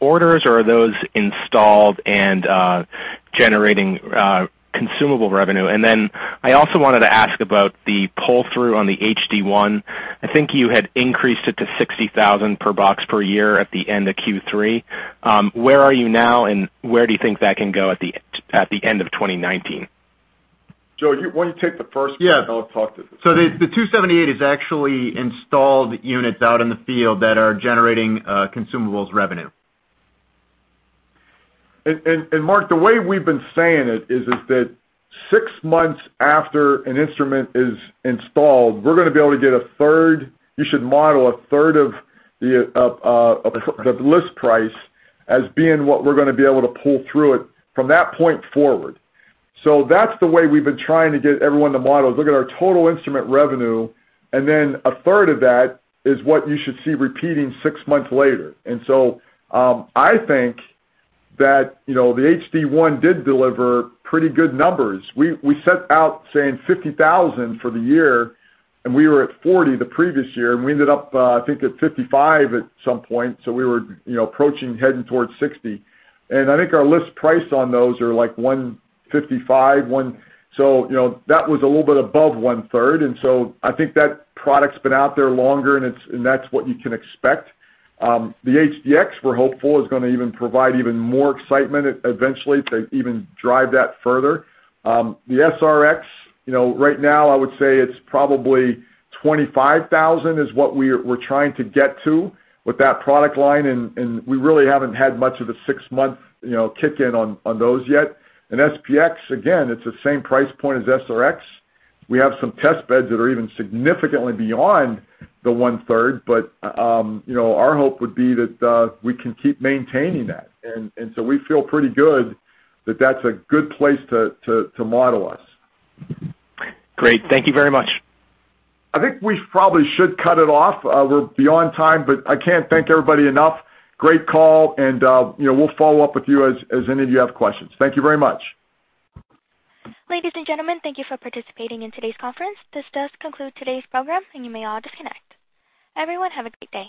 orders or are those installed and generating consumable revenue? Then I also wanted to ask about the pull-through on the HD-1. I think you had increased it to $60,000 per box per year at the end of Q3. Where are you now, and where do you think that can go at the end of 2019? Joe, why don't you take the first part. Yeah. The 278 is actually installed units out in the field that are generating consumables revenue. Mark, the way we've been saying it is that six months after an instrument is installed, we're going to be able to get 1/3, you should model 1/3 of the list price as being what we're going to be able to pull through it from that point forward. That's the way we've been trying to get everyone to model is look at our total instrument revenue, then 1/3 of that is what you should see repeating six months later. I think that the HD-1 did deliver pretty good numbers. We set out saying 50,000 for the year, we were at 40,000 the previous year, we ended up, I think, at 55,000 at some point, we were approaching, heading towards 60,000. I think our list price on those are like $155,000, that was a little bit above 1/3, I think that product's been out there longer, that's what you can expect. The HD-X, we're hopeful, is going to even provide even more excitement eventually to even drive that further. The SR-X, right now I would say it's probably $25,000 is what we're trying to get to with that product line, we really haven't had much of a six-month kick in on those yet. SP-X, again, it's the same price point as SR-X. We have some test beds that are even significantly beyond the 1/3, our hope would be that we can keep maintaining that. We feel pretty good that that's a good place to model us. Great. Thank you very much. I think we probably should cut it off. We're beyond time. I can't thank everybody enough. Great call. We'll follow up with you as any of you have questions. Thank you very much. Ladies and gentlemen, thank you for participating in today's conference. This does conclude today's program. You may all disconnect. Everyone, have a great day.